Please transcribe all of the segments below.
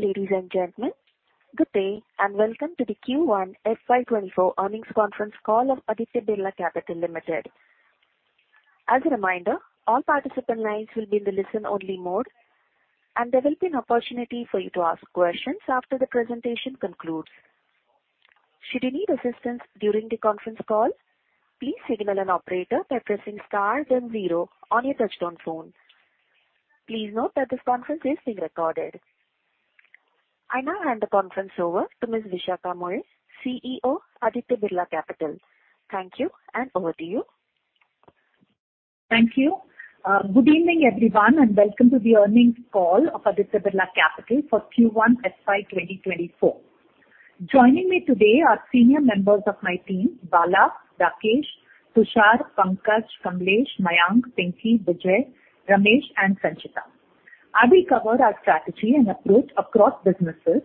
Ladies and gentlemen, good day, and welcome to the Q1 FY 24 Earnings Conference Call of Aditya Birla Capital Limited. As a reminder, all participant lines will be in the listen-only mode, and there will be an opportunity for you to ask questions after the presentation concludes. Should you need assistance during the conference call, please signal an operator by pressing star then zero on your touchtone phone. Please note that this conference is being recorded. I now hand the conference over to Ms. Vishakha Mulye, CEO, Aditya Birla Capital. Thank you, and over to you. Thank you. Good evening, everyone, and welcome to the earnings call of Aditya Birla Capital for Q1 FY 2024. Joining me today are senior members of my team, Bala, Rakesh, Tushar, Pankaj, Kamlesh, Mayank, Pinky, Vijay, Ramesh, and Sanchita. I will cover our strategy and approach across businesses,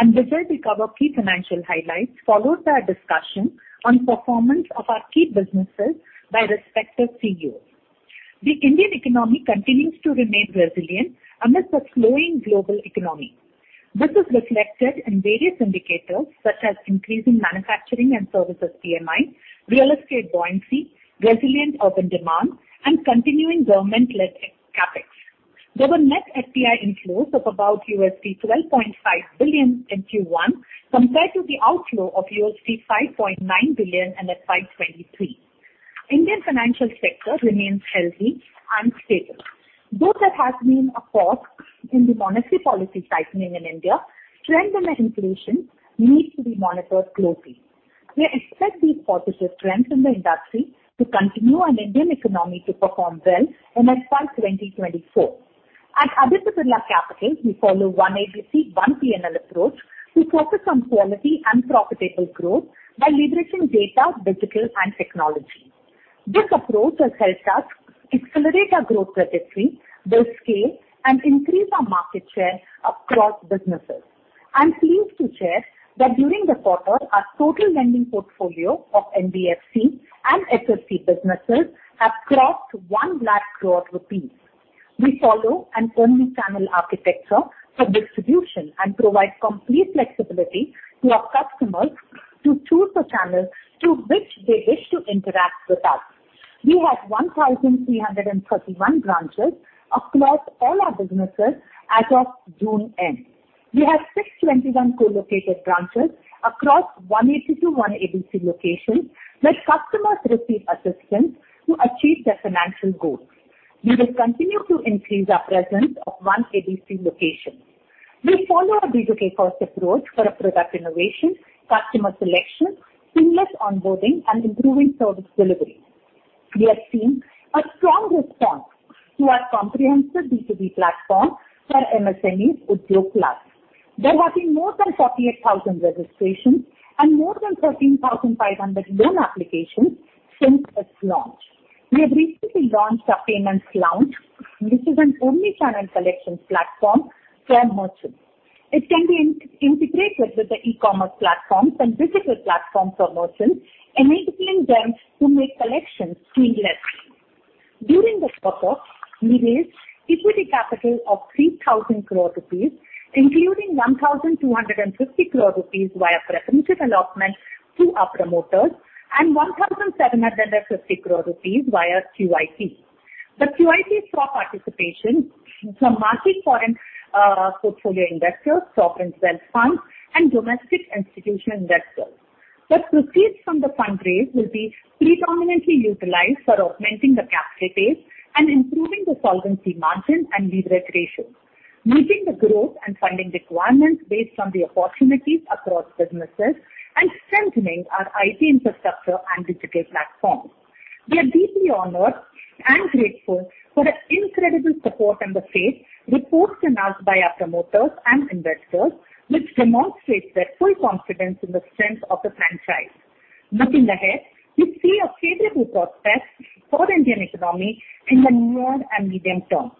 and Vijay will cover key financial highlights, followed by a discussion on performance of our key businesses by respective CEOs. The Indian economy continues to remain resilient amidst a slowing global economy. This is reflected in various indicators, such as increasing manufacturing and services PMI, real estate buoyancy, resilient urban demand, and continuing government-led CapEx. There were net FPI inflows of about $12.5 billion in Q1, compared to the outflow of $5.9 billion in FY 2023. Indian financial sector remains healthy and stable. Though there has been a pause in the monetary policy tightening in India, trend in the inflation needs to be monitored closely. We expect these positive trends in the industry to continue and Indian economy to perform well in FY 2024. At Aditya Birla Capital, we follow one ABC, one P&L approach to focus on quality and profitable growth by leveraging data, digital, and technology. This approach has helped us accelerate our growth trajectory, build scale, and increase our market share across businesses. I'm pleased to share that during the quarter, our total lending portfolio of NBFC and SSC businesses have crossed 100,000 crore rupees. We follow an omni-channel architecture for distribution and provide complete flexibility to our customers to choose the channel through which they wish to interact with us. We have 1,331 branches across all our businesses as of June end. We have 621 co-located branches across 182 One ABC locations, where customers receive assistance to achieve their financial goals. We will continue to increase our presence of One ABC location. We follow a B2C first approach for our product innovation, customer selection, seamless onboarding, and improving service delivery. We have seen a strong response to our comprehensive B2B platform for MSMEs Udyog Plus. There have been more than 48,000 registrations and more than 13,500 loan applications since its launch. We have recently launched our payments lounge, which is an omni-channel collections platform for merchants. It can be in-integrated with the e-commerce platforms and digital platforms for merchants, enabling them to make collections seamless. During the quarter, we raised equity capital of 3,000 crore rupees, including 1,250 crore rupees via preference allotment to our promoters, and 1,750 crore rupees via QIP. The QIP saw participation from market foreign portfolio investors, sovereign wealth funds, and domestic institutional investors. The proceeds from the fundraise will be predominantly utilized for augmenting the capital base and improving the solvency margin and leverage ratios, meeting the growth and funding requirements based on the opportunities across businesses and strengthening our IT infrastructure and digital platforms. We are deeply honored and grateful for the incredible support and the faith reposed in us by our promoters and investors, which demonstrates their full confidence in the strength of the franchise. Looking ahead, we see a favorable prospect for Indian economy in the near and medium term.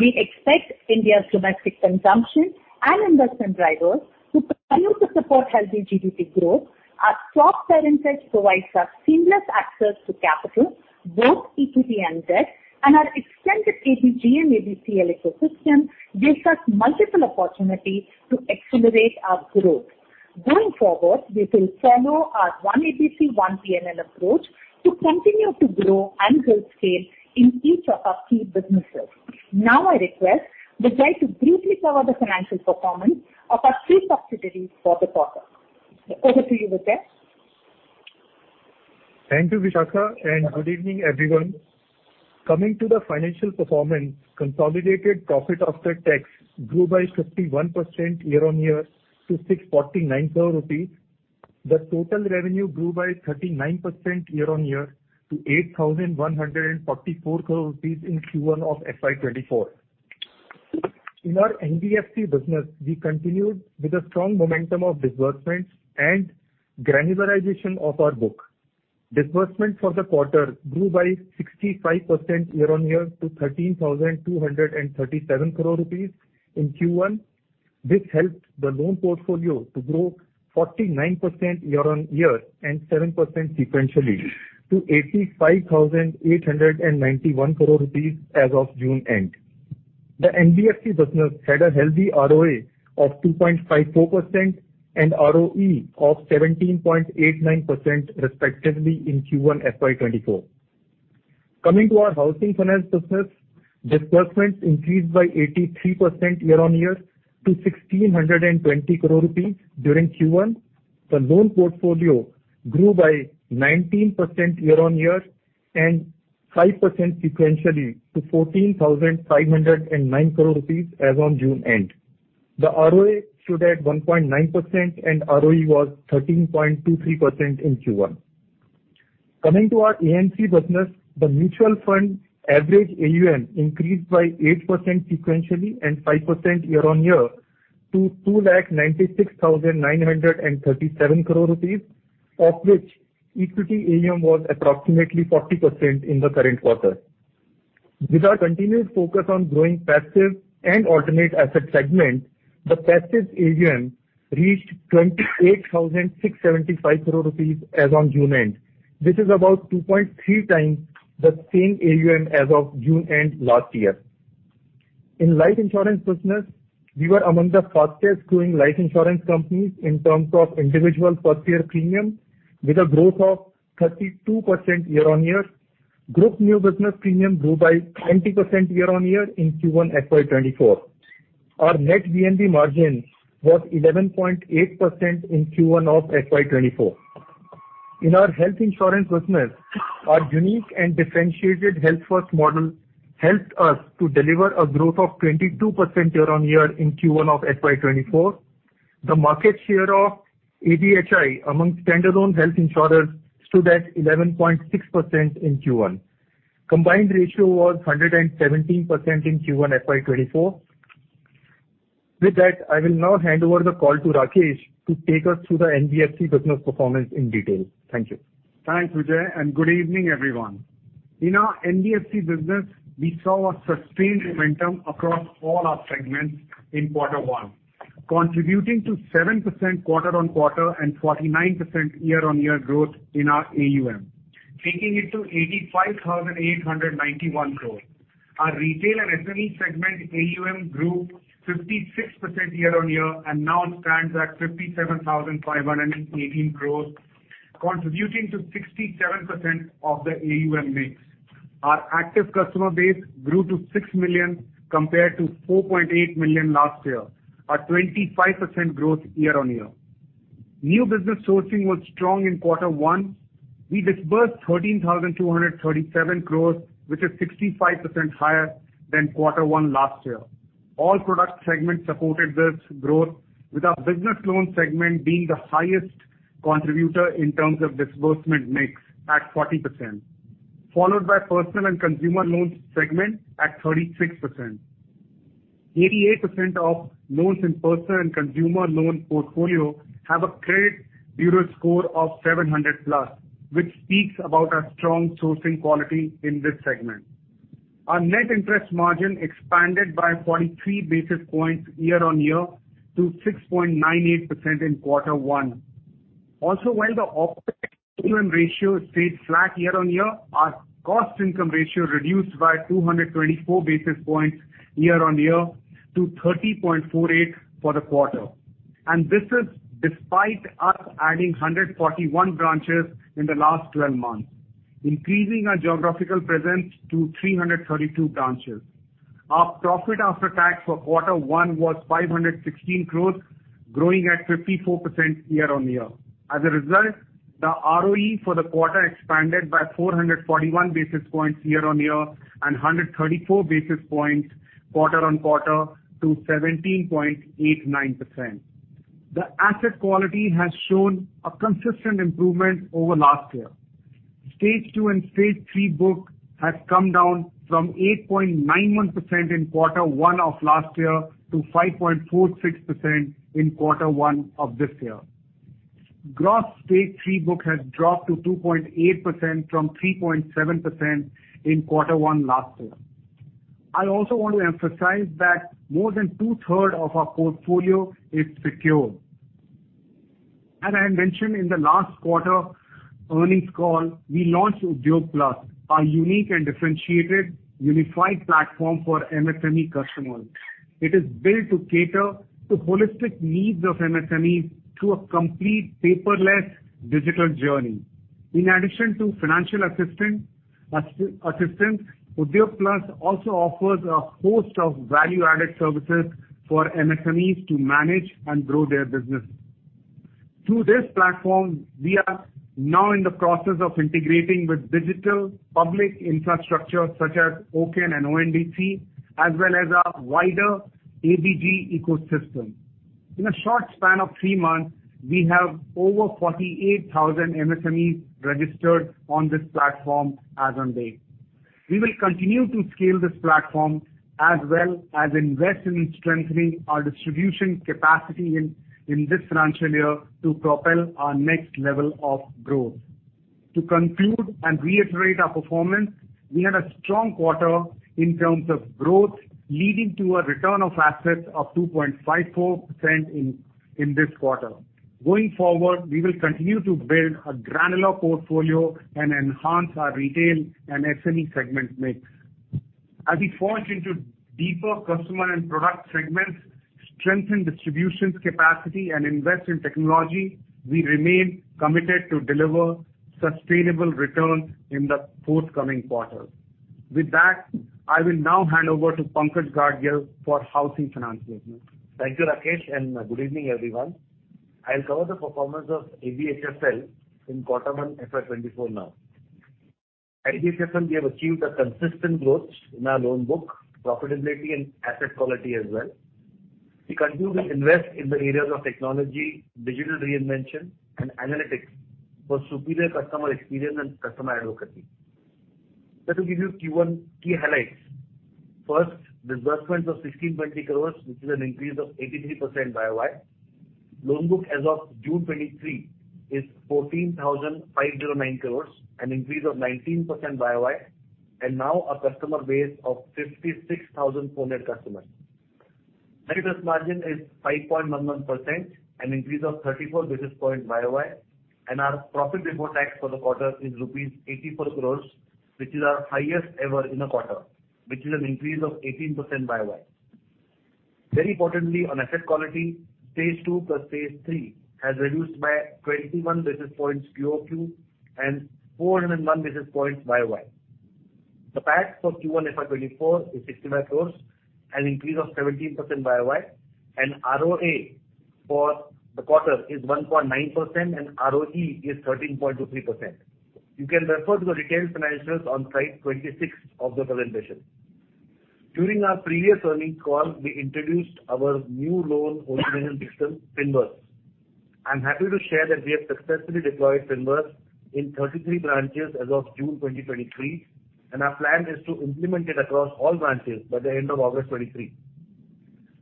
We expect India's domestic consumption and investment drivers to continue to support healthy GDP growth. Our top parentage provides us seamless access to capital, both equity and debt, and our extended ABG and ABC ecosystem gives us multiple opportunities to accelerate our growth. Going forward, we will follow our One ABC, one P&L approach to continue to grow and build scale in each of our key businesses. Now, I request Vijay to briefly cover the financial performance of our three subsidiaries for the quarter. Over to you, Vijay. Thank you, Vishakha, and good evening, everyone. Coming to the financial performance, consolidated profit after tax grew by 51% year-on-year to 649 crore rupees. The total revenue grew by 39% year-on-year to 8,144 crore rupees in Q1 of FY 2024. In our NBFC business, we continued with a strong momentum of disbursements and granularization of our book. Disbursement for the quarter grew by 65% year-on-year to 13,237 crore rupees in Q1. This helped the loan portfolio to grow 49% year-on-year and 7% sequentially, to 85,891 crore rupees as of June end. The NBFC business had a healthy ROA of 2.54% and ROE of 17.89% respectively in Q1 FY 2024. Coming to our housing finance business, disbursements increased by 83% year-on-year to 1,620 crore rupees during Q1. The loan portfolio grew by 19% year-on-year and 5% sequentially to 14,509 crore rupees as on June end. The ROA stood at 1.9% and ROE was 13.23% in Q1. Coming to our AMC business, the mutual fund average AUM increased by 8% sequentially and 5% year-on-year to 296,937 crore rupees, of which equity AUM was approximately 40% in the current quarter. With our continued focus on growing passive and alternate asset segment, the passive AUM reached 28,675 crore rupees as on June end, which is about 2.3x the same AUM as of June end last year. In life insurance business, we were among the fastest growing life insurance companies in terms of individual first year premium, with a growth of 32% year-on-year. Group new business premium grew by 20% year-on-year in Q1 FY 2024. Our net VNB margin was 11.8% in Q1 of FY 2024. In our health insurance business, our unique and differentiated Health First model helped us to deliver a growth of 22% year-on-year in Q1 of FY 2024. The market share of ADHI among standalone health insurers stood at 11.6% in Q1. Combined ratio was 117% in Q1 FY 2024. With that, I will now hand over the call to Rakesh to take us through the NBFC business performance in detail. Thank you. Thanks, Vijay, and good evening, everyone. In our NBFC business, we saw a sustained momentum across all our segments in quarter one, contributing to 7% quarter-on-quarter and 49% year-on-year growth in our AUM, taking it to 85,891 crore. Our retail and SME segment AUM grew 56% year-on-year and now stands at 57,518 crore, contributing to 67% of the AUM mix. Our active customer base grew to 6 million compared to 4.8 million last year, a 25% growth year-on-year. New business sourcing was strong in quarter one. We disbursed 13,237 crore, which is 65% higher than quarter one last year. All product segments supported this growth, with our business loan segment being the highest contributor in terms of disbursement mix at 40%, followed by personal and consumer loans segment at 36%. 88% of loans in personal and consumer loan portfolio have a credit bureau score of 700+, which speaks about our strong sourcing quality in this segment. Our NIM expanded by 43 basis points year-on-year to 6.98% in Q1. While the operating AUM ratio stayed flat year-on-year, our cost income ratio reduced by 224 basis points year-on-year to 30.48% for the quarter. This is despite us adding 141 branches in the last 12 months, increasing our geographical presence to 332 branches. Our profit after tax for Q1 was 516 crore, growing at 54% year-on-year. As a result, the ROE for the quarter expanded by 441 basis points year-on-year and 134 basis points quarter-on-quarter to 17.89%. The asset quality has shown a consistent improvement over last year. Stage two and stage three book has come down from 8.91% in Q1 of last year to 5.46% in Q1 of this year. Gross Stage 3 book has dropped to 2.8% from 3.7% in Q1 last year. I also want to emphasize that more than two-third of our portfolio is secure. As I mentioned in the last quarter earnings call, we launched Udyog Plus, our unique and differentiated unified platform for MSME customers. It is built to cater to holistic needs of MSMEs through a complete paperless digital journey. In addition to financial assistance, Udyog Plus also offers a host of value-added services for MSMEs to manage and grow their business. Through this platform, we are now in the process of integrating with digital public infrastructure, such as OCEN and ONDC, as well as our wider ABG ecosystem. In a short span of three months, we have over 48,000 MSMEs registered on this platform as on date. We will continue to scale this platform, as well as invest in strengthening our distribution capacity in this financial year to propel our next level of growth. To conclude and reiterate our performance, we had a strong quarter in terms of growth, leading to a return of assets of 2.54% in this quarter. Going forward, we will continue to build a granular portfolio and enhance our retail and SME segment mix. As we forge into deeper customer and product segments, strengthen distributions capacity, and invest in technology, we remain committed to deliver sustainable returns in the forthcoming quarter. With that, I will now hand over to Pankaj Gadgil for housing finance business. Thank you, Rakesh. Good evening, everyone. I'll cover the performance of ABHFL in Q1, FY 2024 now. At ABHFL, we have achieved a consistent growth in our loan book, profitability, and asset quality as well. We continue to invest in the areas of technology, digital reinvention, and analytics for superior customer experience and customer advocacy. To give you Q1 key highlights, first, disbursements of 1,620 crore, which is an increase of 83% YOY. Loan book as of June 2023, is 14,509 crore, an increase of 19% YOY, and now a customer base of 56,400 customers. Net interest margin is 5.11%, an increase of 34 basis points YOY. Our profit before tax for the quarter is rupees 84 crore, which is our highest ever in a quarter, which is an increase of 18% YOY. Very importantly, on asset quality, Stage 2 plus Stage 3 has reduced by 21 basis points QOQ and 401 basis points YOY. The PAT for Q1 FY 2024 is 65 crore, an increase of 17% YOY. ROA for the quarter is 1.9%. ROE is 13.23%. You can refer to the retail financials on slide 26 of the presentation. During our previous earnings call, we introduced our new loan origination system, Finverse. I'm happy to share that we have successfully deployed Finverse in 33 branches as of June 2023, and our plan is to implement it across all branches by the end of August 2023.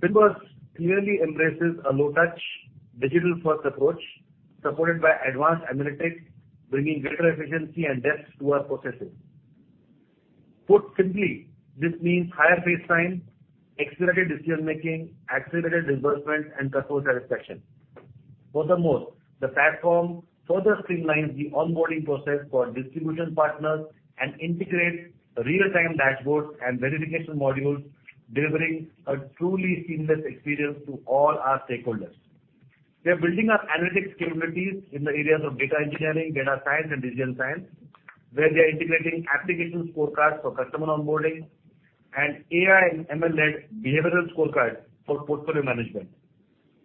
Finverse clearly embraces a low-touch, digital-first approach, supported by advanced analytics, bringing greater efficiency and depth to our processes. Put simply, this means higher face time, accelerated decision-making, accelerated disbursement, and customer satisfaction. Furthermore, the platform further streamlines the onboarding process for distribution partners and integrates real-time dashboards and verification modules, delivering a truly seamless experience to all our stakeholders. We are building our analytics capabilities in the areas of data engineering, data science, and digital science, where we are integrating application scorecards for customer onboarding and AI and ML-led behavioral scorecard for portfolio management.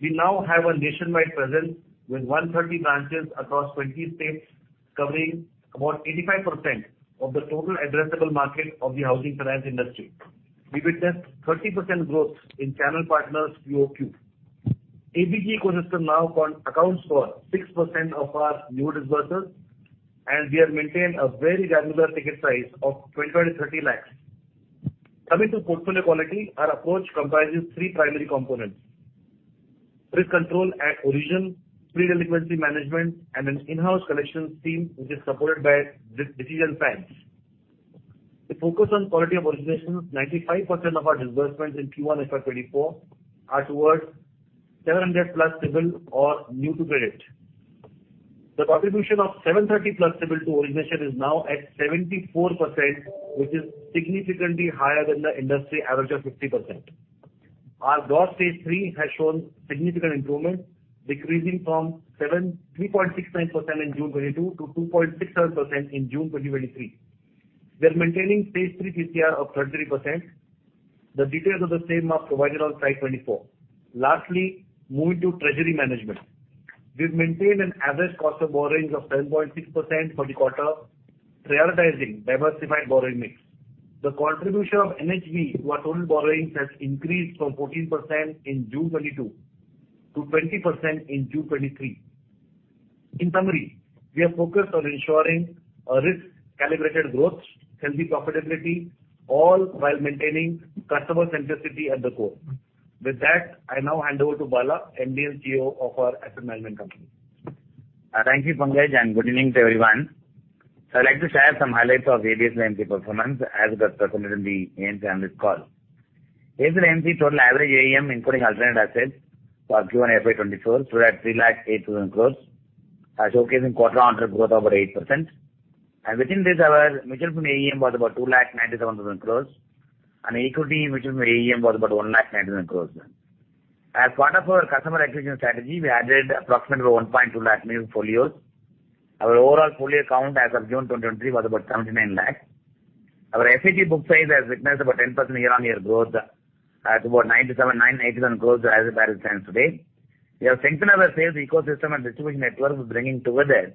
We now have a nationwide presence with 130 branches across 20 states, covering about 85% of the total addressable market of the housing finance industry. We witnessed 30% growth in channel partners QOQ. ABG ecosystem now accounts for 6% of our new disbursements, and we have maintained a very granular ticket size of 20 lakhs-30 lakhs. Coming to portfolio quality, our approach comprises three primary components: risk control at origin, pre-delinquency management, and an in-house collections team, which is supported by risk decision packs. The focus on quality of originations, 95% of our disbursements in Q1 FY 2024, are towards 700+ CIBIL or new to credit. The contribution of 730+ CIBIL to origination is now at 74%, which is significantly higher than the industry average of 50%. Our Gross Stage 3 has shown significant improvement, decreasing from 3.69% in June 2022 to 2.67% in June 2023. We are maintaining Stage 3 PTR of 33%. The details of the same are provided on slide 24. Lastly, moving to treasury management. We've maintained an average cost of borrowings of 10.6% for the quarter, prioritizing diversified borrowing mix. The contribution of NHB to our total borrowings has increased from 14% in June 2022, to 20% in June 2023. In summary, we are focused on ensuring a risk-calibrated growth, healthy profitability, all while maintaining customer centricity at the core. With that, I now hand over to Bala, MD & CEO of our asset management company. Thank you, Pankaj, and good evening to everyone. I'd like to share some highlights of ABSL AMC performance as represented in the AMC analyst call. ABSL AMC total average AUM, including alternate assets for Q1 FY 2024, stood at 308,000 crore, showcasing quarter-on-year growth of about 8%. Within this, our mutual fund AUM was about 297,000 crore and equity mutual fund AUM was about 190,000 crore. As part of our customer acquisition strategy, we added approximately 1.2 lakh new folios. Our overall folio count as of June 2023, was about 79 lakh. Our AET book size has witnessed about 10% year-on-year growth, at about 97,997 crore as it stands today. We have strengthened our sales ecosystem and distribution network, bringing together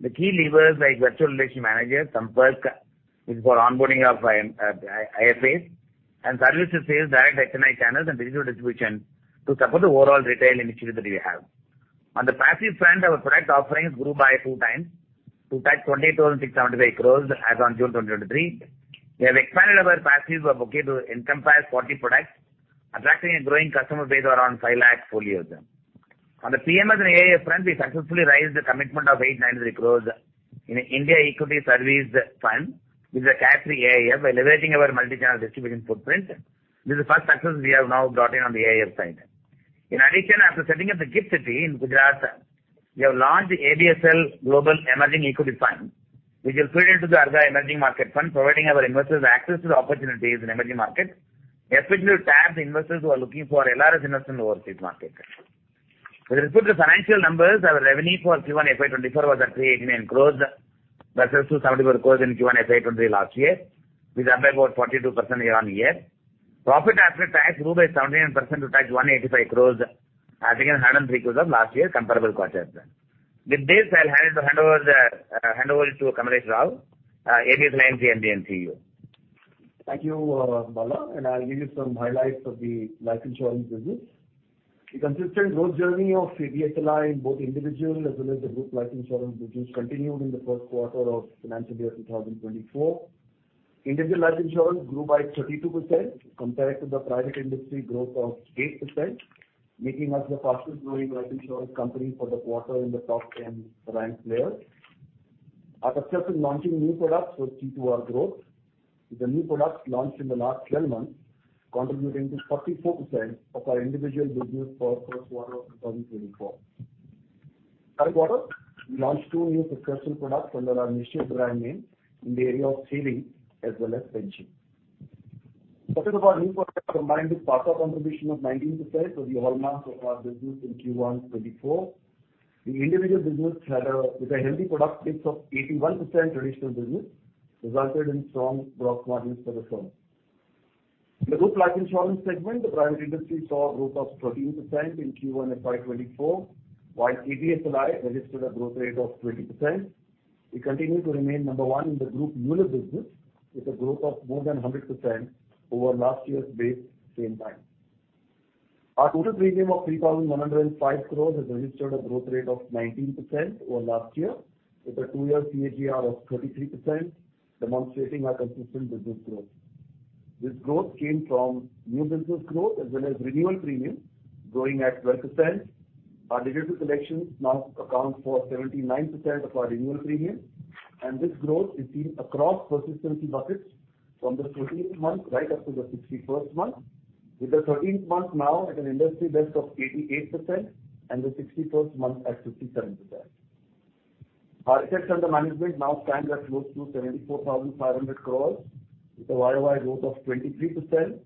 the key levers like virtual relationship managers, Samarth, which is for onboarding of IFAs, and services sales, direct HNI channels, and digital distribution to support the overall retail initiative that we have. On the passive front, our product offerings grew by two times, to touch 28,675 crore as on June 2023. We have expanded our passive booking to encompass 40 products, attracting a growing customer base around 5 lakh folios. On the PMS and AIF front, we successfully raised the commitment of 893 crore in India Equity Services Fund, which is a Category AIF, by leveraging our multi-channel distribution footprint. This is the first success we have now brought in on the AIF side. In addition, after setting up the Gift City in Gujarat, we have launched the ABSL Global Emerging Equity Fund, which is fed into the other emerging market fund, providing our investors access to the opportunities in emerging markets, especially to tap the investors who are looking for LRS investment in the overseas market. With respect to financial numbers, our revenue for Q1 FY24 was at 389 crore versus 274 crore in Q1 FY23 last year, which is up by about 42% year-on-year. Profit after tax grew by 79% to touch 185 crore, as against 103 crore of last year comparable quarter. With this, I'll hand over the hand over to Kamlesh Rao, ABSL MC and the MCEU. Thank you, Bala. I'll give you some highlights of the life insurance business. The consistent growth journey of ABSLI in both individual as well as the group life insurance business continued in the first quarter of financial year 2024. Individual life insurance grew by 32% compared to the private industry growth of 8%, making us the fastest growing life insurance company for the quarter in the top 10 ranked players. Our success in launching new products was due to our growth, with the new products launched in the last 12 months contributing to 54% of our individual business for first quarter of 2024. Third quarter, we launched two new successful products under our Nishchay brand name in the area of saving as well as pension. Profit of our new product combined with par contribution of 19% of the whole month of our business in Q1 2024. The individual business, with a healthy product mix of 81% traditional business, resulted in strong growth margins for the firm. In the group life insurance segment, the private industry saw a growth of 13% in Q1 FY 2024, while ABSLI registered a growth rate of 20%. We continue to remain number one in the group annual business, with a growth of more than 100% over last year's base same time. Our total premium of 3,105 crore has registered a growth rate of 19% over last year, with a 2-year CAGR of 33%, demonstrating our consistent business growth. This growth came from new business growth as well as renewal premium, growing at 12%. Our digital collections now account for 79% of our renewal premium, and this growth is seen across persistency buckets from the 13th month right up to the 61st month, with the 13th month now at an industry best of 88% and the 61st month at 57%. Our assets under management now stand at close to 74,500 crore, with a YOY growth of 23%,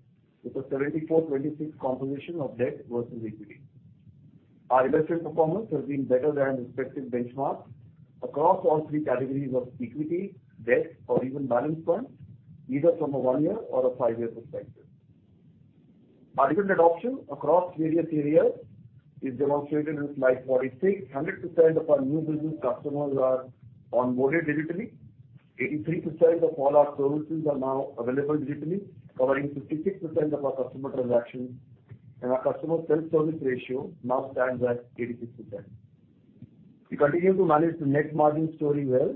with a 74/26 composition of debt versus equity. Our invested performance has been better than expected benchmarks across all three categories of equity, debt, or even balance funds, either from a 1-year or a 5-year perspective. Our digital adoption across various areas is demonstrated in slide 46. 100% of our new business customers are onboarded digitally. 83% of all our services are now available digitally, covering 56% of our customer transactions, and our customer self-service ratio now stands at 86%. We continue to manage the net margin story well.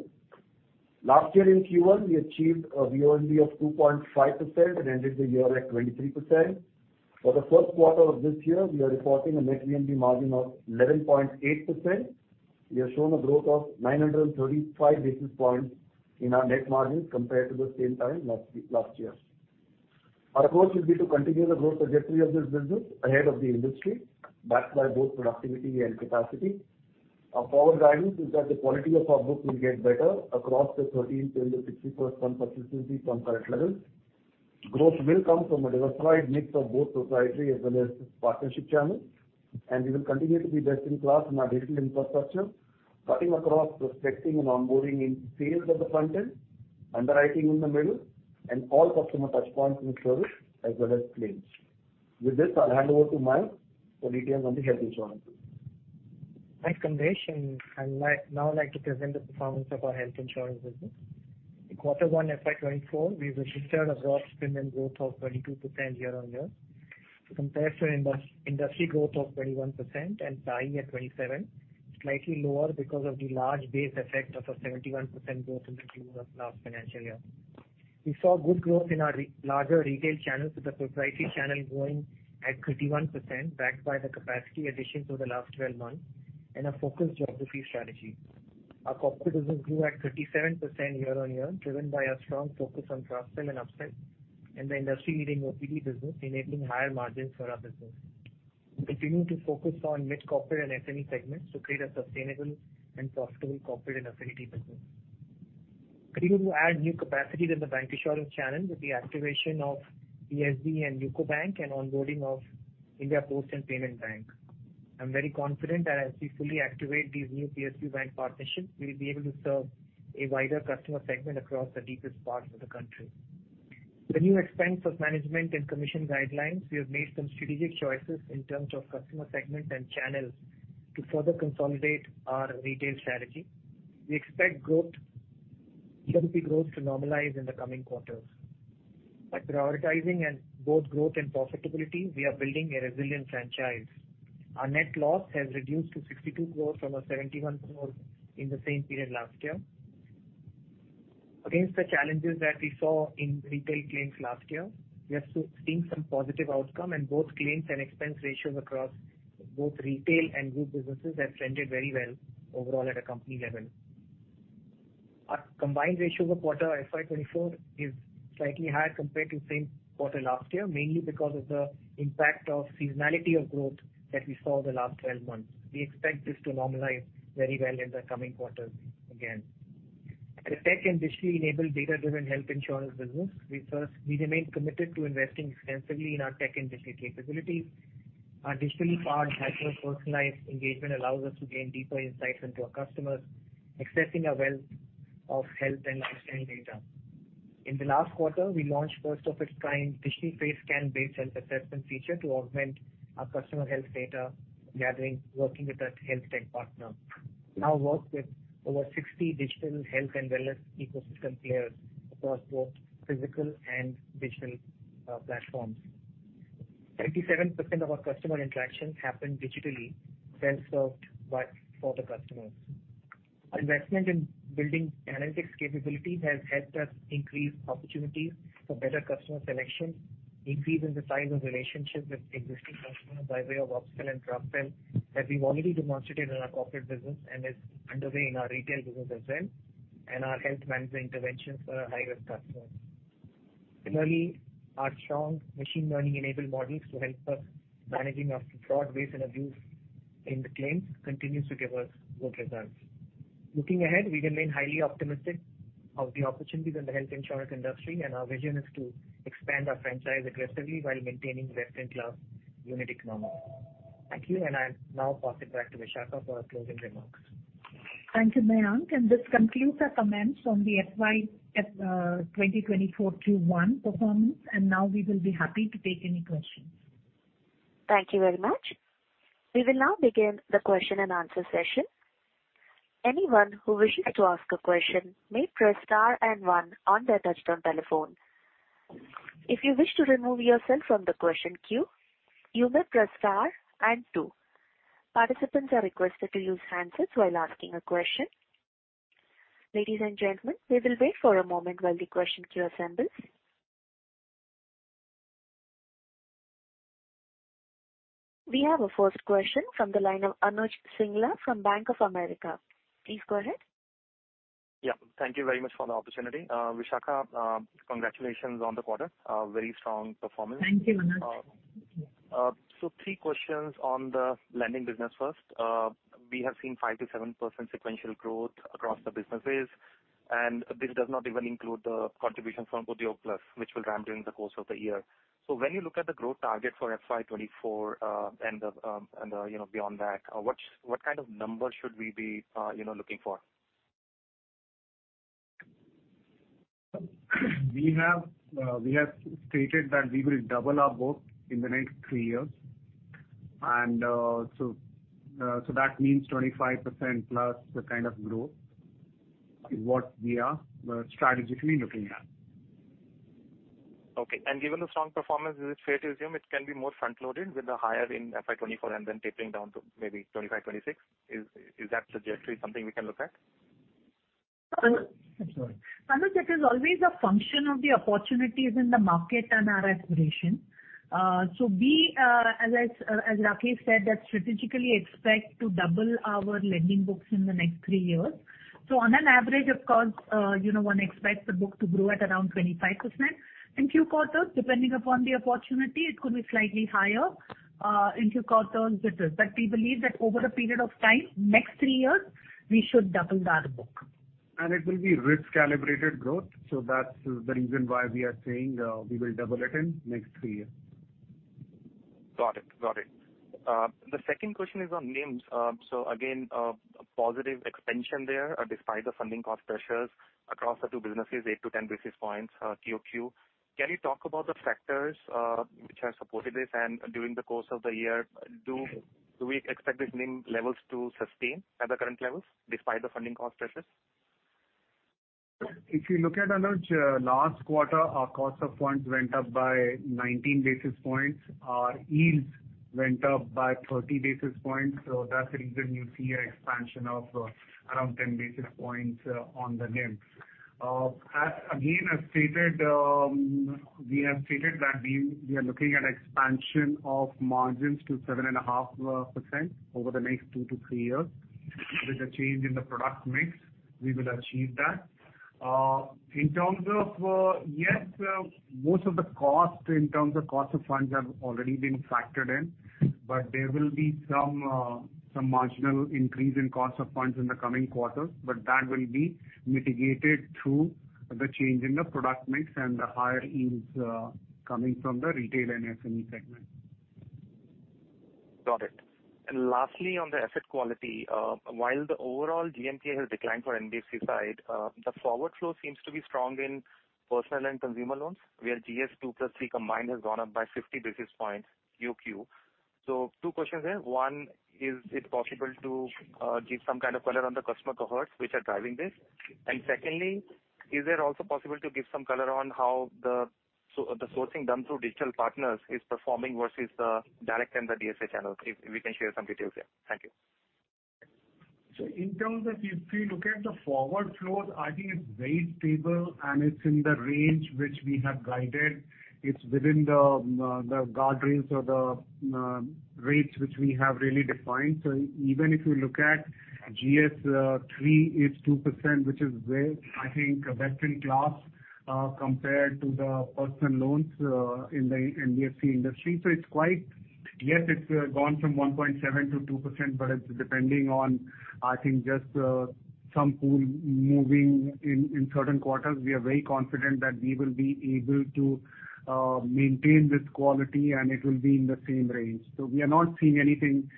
Last year in Q1, we achieved a VNB of 2.5% and ended the year at 23%. For the first quarter of this year, we are reporting a net VNB margin of 11.8%. We have shown a growth of 935 basis points in our net margins compared to the same time last year, last year. Our approach will be to continue the growth trajectory of this business ahead of the industry, backed by both productivity and capacity. Our forward guidance is that the quality of our book will get better across the 13 to the 61st month persistency from current levels. Growth will come from a diversified mix of both proprietary as well as partnership channels. We will continue to be best in class in our digital infrastructure, cutting across prospecting and onboarding in sales at the front end, underwriting in the middle, and all customer touch points in service as well as claims. With this, I'll hand over to Mayank for details on the health insurance. Thanks, Kamlesh. I'd now like to present the performance of our health insurance business. In Q1, FY 2024, we registered a gross premium growth of 22% year-on-year. Compared to industry growth of 21% and PI at 27, slightly lower because of the large base effect of a 71% growth in the Q1 of last financial year. We saw good growth in our larger retail channels, with the proprietary channel growing at 31%, backed by the capacity addition to the last 12 months and a focused geography strategy. Our corporate business grew at 37% year-on-year, driven by a strong focus on cross-sell and upsell, and the industry-leading OPD business enabling higher margins for our business. We continue to focus on mid-corporate and SME segments to create a sustainable and profitable corporate and affinity business. Continuing to add new capacities in the bank insurance channel with the activation of PSB and UCO Bank and onboarding of India Post Payments Bank. I'm very confident that as we fully activate these new PSU bank partnerships, we'll be able to serve a wider customer segment across the deepest parts of the country. The new Expenses of Management and commission guidelines, we have made some strategic choices in terms of customer segment and channels to further consolidate our retail strategy. We expect growth, GWP growth to normalize in the coming quarters. By prioritizing and both growth and profitability, we are building a resilient franchise. Our net loss has reduced to 62 crore from a 71 crore in the same period last year.... against the challenges that we saw in retail claims last year, we have seen some positive outcome. Both claims and expense ratios across both retail and group businesses have trended very well overall at a company level. Our combined ratios of quarter FY 2024 is slightly higher compared to same quarter last year, mainly because of the impact of seasonality of growth that we saw the last 12 months. We expect this to normalize very well in the coming quarters again. As a tech and digitally enabled data-driven health insurance business, we remain committed to investing extensively in our tech and digital capabilities. Our digitally powered hyper-personalized engagement allows us to gain deeper insights into our customers, accessing a wealth of health and lifestyle data. In the last quarter, we launched first of its kind digitally face scan-based health assessment feature to augment our customer health data gathering, working with a health tech partner. We now work with over 60 digital health and wellness ecosystem players across both physical and digital platforms. 87% of our customer interactions happen digitally, self-served by for the customers. Investment in building analytics capabilities has helped us increase opportunities for better customer selection, increase in the size of relationships with existing customers by way of upsell and cross-sell, that we've already demonstrated in our corporate business and is underway in our retail business as well, and our health management interventions for our high-risk customers. Similarly, our strong machine learning-enabled models to help us managing our fraud, waste, and abuse in the claims continues to give us good results. Looking ahead, we remain highly optimistic of the opportunities in the health insurance industry. Our vision is to expand our franchise aggressively while maintaining best-in-class unit economics. Thank you. I'll now pass it back to Vishakha for our closing remarks. Thank you, Mayank, and this concludes our comments on the FY 2024 Q1 performance. Now we will be happy to take any questions. Thank you very much. We will now begin the question and answer session. Anyone who wishes to ask a question may press star and one on their touch-tone telephone. If you wish to remove yourself from the question queue, you may press star and two. Participants are requested to use handsets while asking a question. Ladies and gentlemen, we will wait for a moment while the question queue assembles. We have a first question from the line of Anuj Singla from Bank of America. Please go ahead. Yeah, thank you very much for the opportunity. Vishakha, congratulations on the quarter. A very strong performance. Thank you, Anuj. Three questions on the lending business first. We have seen 5%-7% sequential growth across the businesses, and this does not even include the contribution from Udyog Plus, which will ramp during the course of the year. When you look at the growth target for FY 2024, and the, you know, beyond that, what kind of number should we be, you know, looking for? We have, we have stated that we will double our book in the next 3 years. So, so that means 25% plus the kind of growth is what we are strategically looking at. Okay. Given the strong performance, is it fair to assume it can be more front-loaded with the higher in FY 2024 and then tapering down to maybe 2025, 2026? Is that trajectory something we can look at? Anuj- Sorry. Anuj, it is always a function of the opportunities in the market and our aspiration. we, as I, as Rakesh said, that strategically expect to double our lending books in the next 3 years. On an average, of course, you know, one expects the book to grow at around 25%. In Q quarters, depending upon the opportunity, it could be slightly higher, inter quarters it is. We believe that over a period of time, next 3 years, we should double our book. It will be risk-calibrated growth, so that's the reason why we are saying, we will double it in next 3 years. Got it. Got it. The second question is on NIMs. So again, a positive expansion there, despite the funding cost pressures across the 2 businesses, 8-10 basis points, QOQ. Can you talk about the factors which have supported this? During the course of the year, do we expect this NIM levels to sustain at the current levels despite the funding cost pressures? If you look at Anuj, last quarter, our cost of funds went up by 19 basis points. Our yields went up by 30 basis points, so that's the reason you see an expansion of around 10 basis points on the NIM. As again, as stated, we have stated that we, we are looking at expansion of margins to 7.5% over the next 2-3 years. With the change in the product mix, we will achieve that. In terms of, yes, most of the cost in terms of cost of funds have already been factored in, but there will be some marginal increase in cost of funds in the coming quarters, but that will be mitigated through the change in the product mix and the higher yields coming from the retail and SME segment. Got it. Lastly, on the asset quality, while the overall GNPA has declined for NBFC side, the forward flow seems to be strong in personal and consumer loans, where GS2 plus 3 combined has gone up by 50 basis points QOQ. Two questions there. One, is it possible to give some kind of color on the customer cohorts which are driving this? Secondly, is it also possible to give some color on how the sourcing done through digital partners is performing versus the direct and the DSA channels? If we can share some details there. Thank you. In terms of if we look at the forward flows, I think it's very stable, and it's in the range which we have guided. It's within the guard rails or the rates which we have really defined. Even if you look at GS3 is 2%, which is very, I think, best in class compared to the personal loans in the NBFC industry. It's quite. Yes, it's gone from 1.7% to 2%, but it's depending on, I think, just some pool moving in, in certain quarters. We are very confident that we will be able to maintain this quality, and it will be in the same range. We are not seeing anything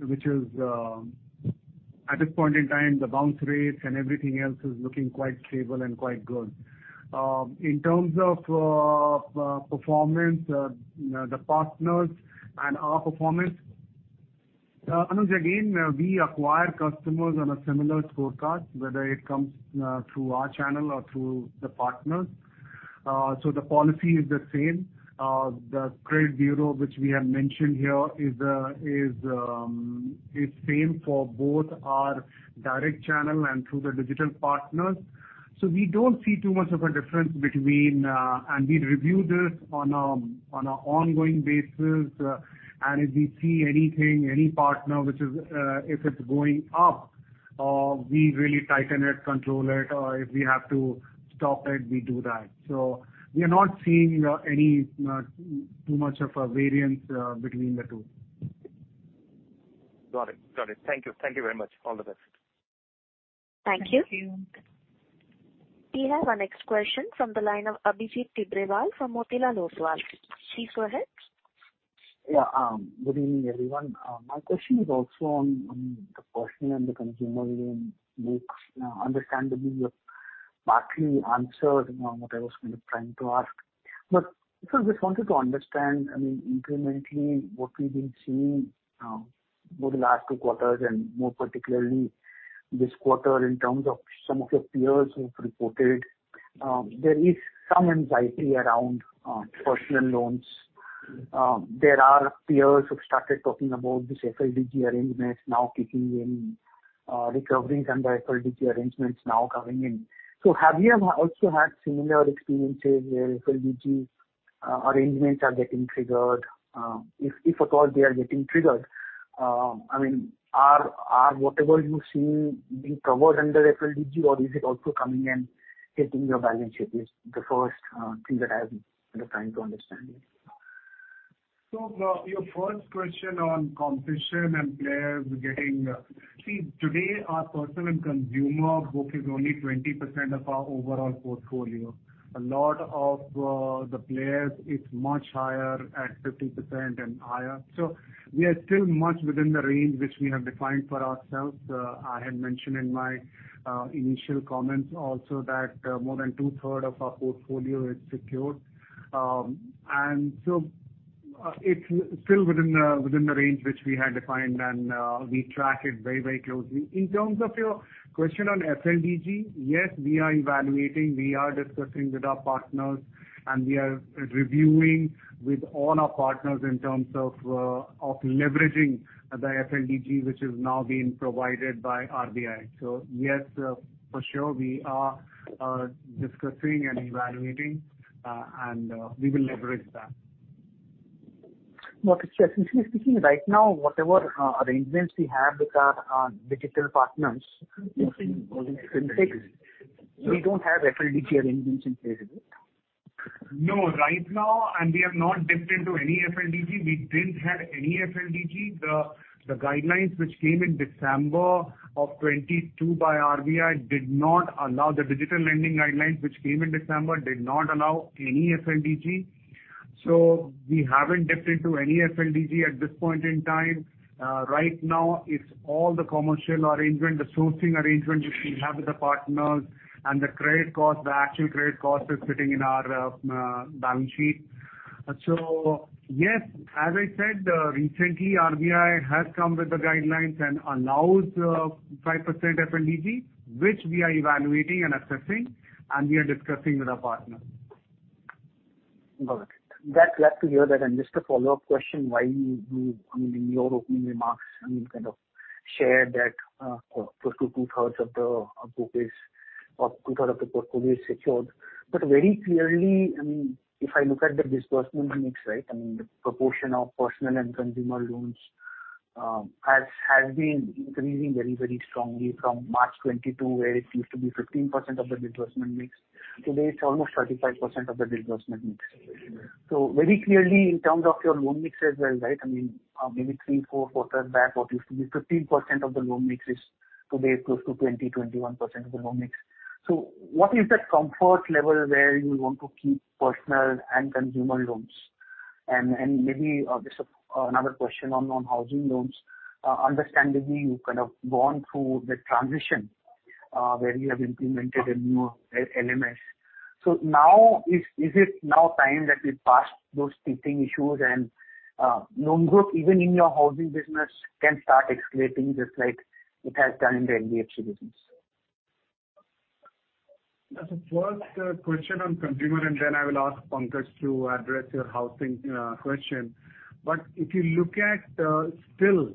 which is at this point in time, the bounce rates and everything else is looking quite stable and quite good. In terms of performance, the partners and our performance, Anuj, again, we acquire customers on a similar scorecard, whether it comes through our channel or through the partners. The policy is the same. The credit bureau, which we have mentioned here, is is same for both our direct channel and through the digital partners. We don't see too much of a difference between. And we review this on an ongoing basis, and if we see anything, any partner which is, if it's going up, we really tighten it, control it, or if we have to stop it, we do that. We are not seeing any too much of a variance between the two. Got it. Got it. Thank you. Thank you very much. All the best. Thank you. Thank you. We have our next question from the line of Abhijit Tibrewal from Motilal Oswal. Please go ahead. Yeah, good evening, everyone. My question is also on, on the personal and the consumer loan books. Understandably, you partly answered on what I was kind of trying to ask, but I just wanted to understand, I mean, incrementally, what we've been seeing, over the last 2 quarters, and more particularly this quarter, in terms of some of your peers who've reported, there is some anxiety around personal loans. There are peers who've started talking about this FLDG arrangements now kicking in, recoveries and the FLDG arrangements now coming in. Have you also had similar experiences where FLDG arrangements are getting triggered? If, if at all they are getting triggered, I mean, are, are whatever you're seeing being covered under FLDG, or is it also coming and hitting your balance sheet? Is the first thing that I'm kind of trying to understand. Your first question on competition and players getting... See, today, our personal and consumer book is only 20% of our overall portfolio. A lot of the players, it's much higher, at 50% and higher. We are still much within the range which we have defined for ourselves. I had mentioned in my initial comments also that more than two-third of our portfolio is secured. It's still within the, within the range which we had defined, and we track it very, very closely. In terms of your question on FLDG, yes, we are evaluating, we are discussing with our partners, and we are reviewing with all our partners in terms of of leveraging the FLDG, which is now being provided by RBI. Yes, for sure, we are discussing and evaluating, and we will leverage that. Okay. Simply speaking, right now, whatever arrangements we have with our digital partners, we don't have FLDG arrangements in place, is it? No, right now, we have not dipped into any FLDG. We didn't have any FLDG. The guidelines which came in December of 2022 by RBI did not allow the digital lending guidelines, which came in December, did not allow any FLDG. We haven't dipped into any FLDG at this point in time. Right now, it's all the commercial arrangement, the sourcing arrangement which we have with the partners and the credit cost, the actual credit cost is sitting in our balance sheet. Yes, as I said, recently, RBI has come with the guidelines and allows 5% FLDG, which we are evaluating and assessing, and we are discussing with our partners. Got it. That's glad to hear that. Just a follow-up question, why you, I mean, in your opening remarks, I mean, kind of shared that close to 2/3 of the, our book is, or 2/3 of the portfolio is secured. Very clearly, I mean, if I look at the disbursement mix, right, I mean, the proportion of personal and consumer loans has been increasing very, very strongly from March 2022, where it used to be 15% of the disbursement mix. Today, it's almost 35% of the disbursement mix. Very clearly, in terms of your loan mix as well, right, I mean, maybe 3, 4 quarters back, what used to be 15% of the loan mix is today close to 20%, 21% of the loan mix. What is the comfort level where you want to keep personal and consumer loans? And maybe, just another question on housing loans. Understandably, you've kind of gone through the transition where you have implemented a new LMS. Now, is it now time that we pass those teething issues and loan group, even in your housing business, can start escalating just like it has done in the NBFC business? Yes, first, question on consumer, then I will ask Pankaj to address your housing question. If you look at, still,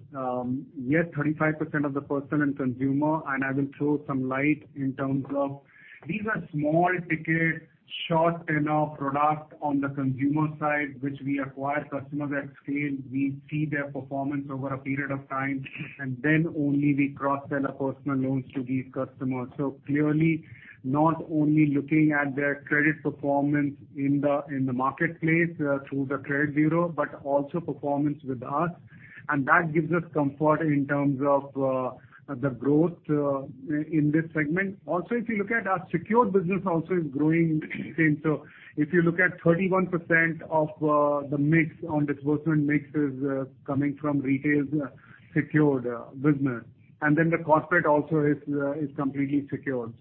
yet 35% of the personal and consumer, I will throw some light in terms of, these are small ticket, short tenure product on the consumer side, which we acquire customers at scale. We see their performance over a period of time, then only we cross-sell our personal loans to these customers. Clearly, not only looking at their credit performance in the, in the marketplace, through the credit bureau, but also performance with us, that gives us comfort in terms of, the growth, in this segment. If you look at our secured business also is growing same. If you look at 31% of the mix on disbursement mix is coming from retail's secured business, and then the corporate also is completely secured.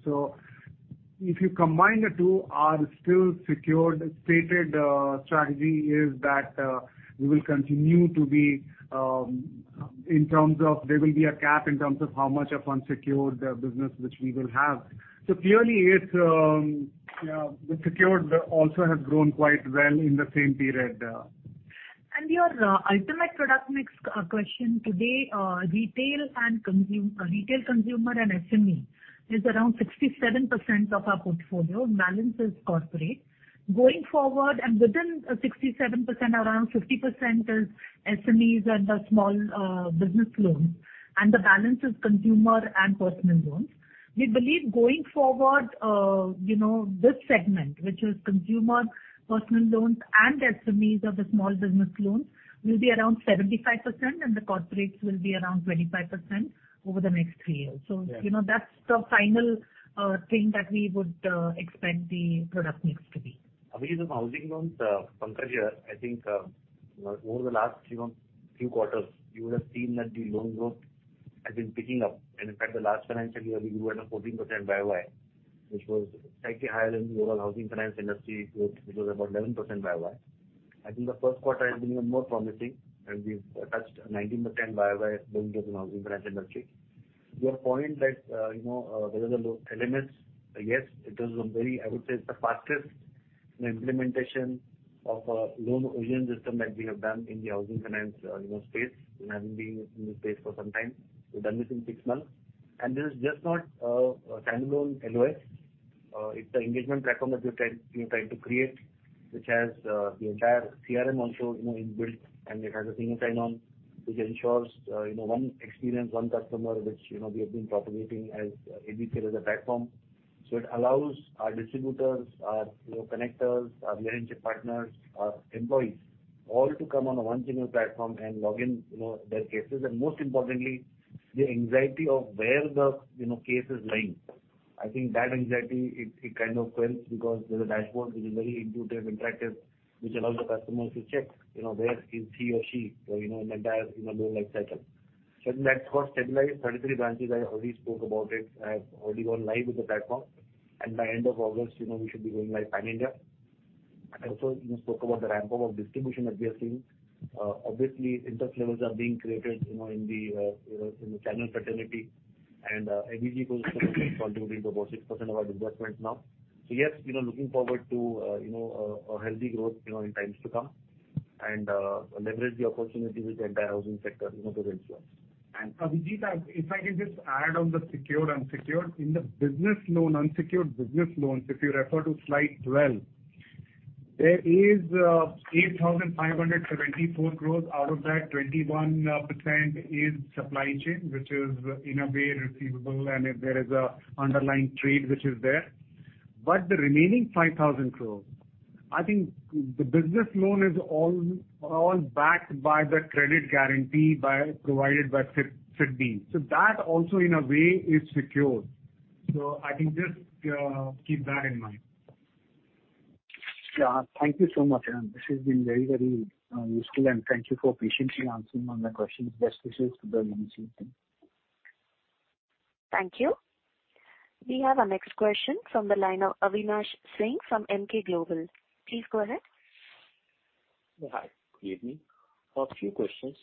If you combine the two, our still secured stated strategy is that we will continue to be in terms of there will be a cap in terms of how much of unsecured business which we will have. Clearly, it's the secured also has grown quite well in the same period. Your ultimate product mix question today, retail and consume- retail, consumer and SME is around 67% of our portfolio, balance is corporate. Going forward, and within 67%, around 50% is SMEs and the small business loans, and the balance is consumer and personal loans. We believe going forward, you know, this segment, which is consumer personal loans and the SMEs or the small business loans, will be around 75%, and the corporates will be around 25% over the next three years. Yeah. You know, that's the final thing that we would expect the product mix to be. Abhijit, on housing loans, Pankaj here, I think, you know, over the last few quarters, you would have seen that the loan growth has been picking up. And in fact, the last financial year, we grew at a 14% Y-o-Y, which was slightly higher than the overall housing finance industry growth, which was about 11% Y-o-Y. I think the first quarter has been more promising, and we've touched 19% Y-o-Y growth in the housing finance industry. Your point that, you know, there is a low elements, yes, it is a very... I would say, it's the fastest implementation of a loan origin system that we have done in the housing finance, you know, space. We have been in the space for some time. We've done this in 6 months. And this is just not a standalone LOS. It's an engagement platform that we're trying to create, which has the entire CRM also, you know, in-built, and it has a single sign-on, which ensures, you know, One Experience, One Customer, which, you know, we have been propagating as ABCL as a platform. It allows our distributors, our, you know, connectors, our partnership partners, our employees, all to come on one single platform and log in, you know, their cases. Most importantly, the anxiety of where the, you know, case is lying. I think that anxiety, it kind of quells because there's a dashboard which is very intuitive, interactive, which allows the customers to check, you know, where is he or she, you know, in the entire, you know, loan life cycle. That got stabilized. 33 branches, I already spoke about it, have already gone live with the platform. By end of August, you know, we should be going live pan-India. I also, you know, spoke about the ramp-up of distribution that we are seeing. Obviously, interest levels are being created, you know, in the, you know, in the channel fraternity. ABG is contributing to about 6% of our disbursements now. Yes, you know, looking forward to, you know, a, a healthy growth, you know, in times to come and leverage the opportunity with the entire housing sector, you know, to the full. Abhijit, if I can just add on the secured/unsecured. In the business loan, unsecured business loans, if you refer to slide 12, there is 8,524 crore. Out of that, 21% is supply chain, which is in a way receivable, and there is a underlying trade which is there. The remaining 5,000 crore, I think the business loan is all, all backed by the credit guarantee by provided by SIDBI. That also, in a way, is secured. I think just keep that in mind. Thank you so much, and this has been very, very useful, and thank you for patiently answering all my questions. Best wishes to the team. Thank you. We have our next question from the line of Avinash Singh from MK Global. Please go ahead. Hi, good evening. A few questions.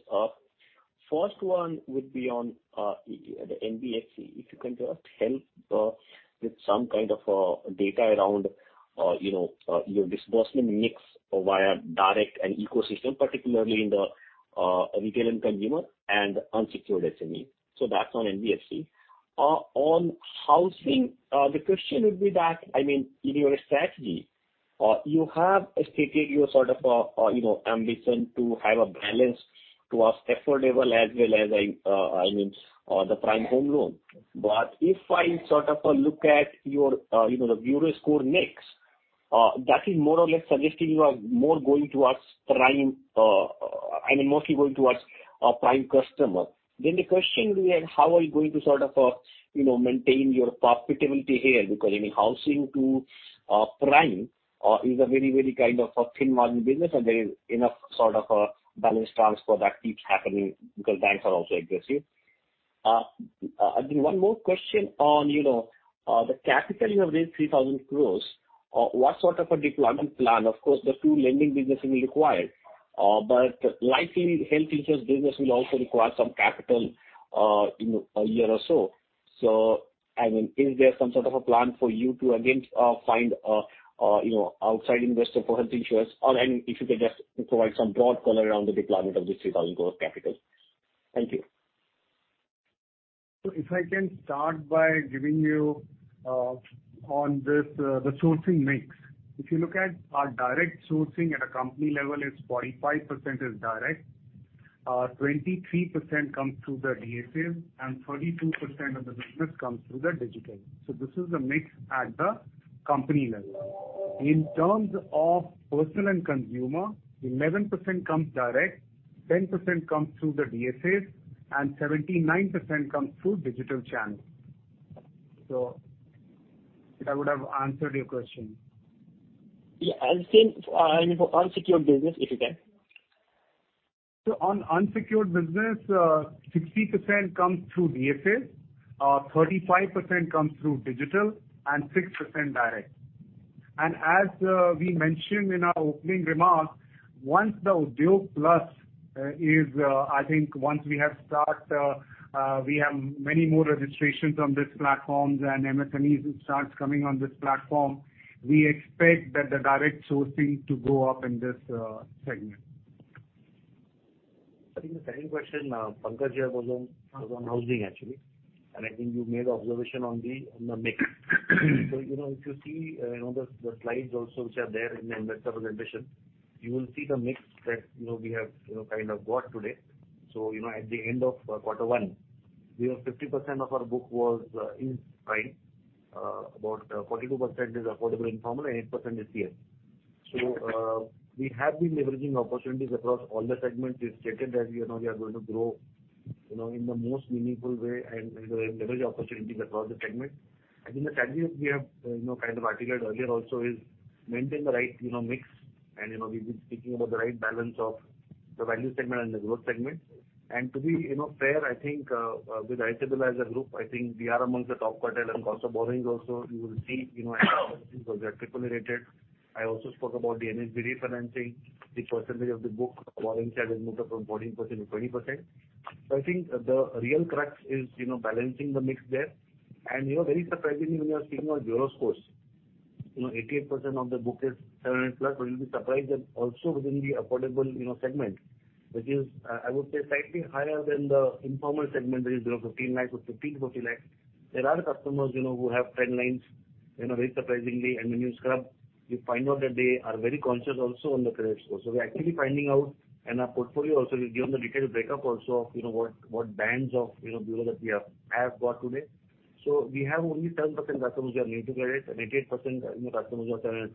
First one would be on the NBFC. If you can just help with some kind of data around, you know, your disbursement mix via direct and ecosystem, particularly in the retail and consumer and unsecured SME. So that's on NBFC. On housing, the question would be that, I mean, in your strategy, you have stated your sort of, you know, ambition to have a balance towards affordable as well as, I mean, the prime home loan. But if I sort of, look at your, you know, the bureau score mix, that is more or less suggesting you are more going towards prime, I mean, mostly going towards a prime customer. The question will be: how are you going to sort of, you know, maintain your profitability here? Because, I mean, housing to prime, is a very, very kind of a thin margin business, and there is enough sort of a balance transfer that keeps happening because banks are also aggressive. And one more question on, you know, the capital you have raised, 3,000 crore. What sort of a deployment plan? Of course, the two lending businesses will require, but likely health insurance business will also require some capital, in a year or so. So, I mean, is there some sort of a plan for you to again, find, you know, outside investor for health insurance? Or, if you could just provide some broad color around the deployment of this 3,000 crore capital. Thank you. If I can start by giving you, on this, the sourcing mix. If you look at our direct sourcing at a company level is 45% is direct, 23% comes through the DSAs, and 42% of the business comes through the digital. This is the mix at the company level. In terms of personal and consumer, 11% comes direct, 10% comes through the DSAs, and 79% comes through digital channels. That would have answered your question. Yeah, same, I mean, for unsecured business, if you can. On unsecured business, 60% comes through DSAs, 35% comes through digital, and 6% direct. As we mentioned in our opening remarks, once the Udyog Plus is, I think once we have start, we have many more registrations on this platform and MSMEs starts coming on this platform, we expect that the direct sourcing to go up in this segment. I think the second question, Pankaj here was on, was on housing, actually. I think you made observation on the, on the mix. You know, if you see, you know, the, the slides also which are there in the investor presentation, you will see the mix that, you know, we have, you know, kind of got today. You know, at the end of quarter 1, we have 50% of our book was in prime, about 42% is affordable and informal, and 8% is CA. We have been leveraging opportunities across all the segments. We've stated that, you know, we are going to grow, you know, in the most meaningful way and, and, leverage opportunities across the segment. I think the strategies we have, you know, kind of articulated earlier also is maintain the right, you know, mix. We've been speaking about the right balance of the value segment and the growth segment. To be, you know, fair, I think, with ABC as a group, I think we are amongst the top quartile in cost of borrowings also. You will see, you know, triple A rated. I also spoke about the NHB refinancing. The percentage of the book warrants have moved up from 14% to 20%. I think the real crux is, you know, balancing the mix there. Very surprisingly, when you are seeing our bureau scores, you know, 88% of the book is 7 plus. You'll be surprised that also within the affordable, you know, segment, which is, I would say slightly higher than the informal segment, which is, you know, 15 lakh to 50 lakh, 40 lakh. There are customers, you know, who have 10 lines, you know, very surprisingly, and when you scrub, you find out that they are very conscious also on the credit score. We're actively finding out, and our portfolio also will give them the detailed breakup also of, you know, what, what bands of, you know, bureau that we have, have got today. We have only 10% customers who are new to credit and 88%, you know, customers who are 7+.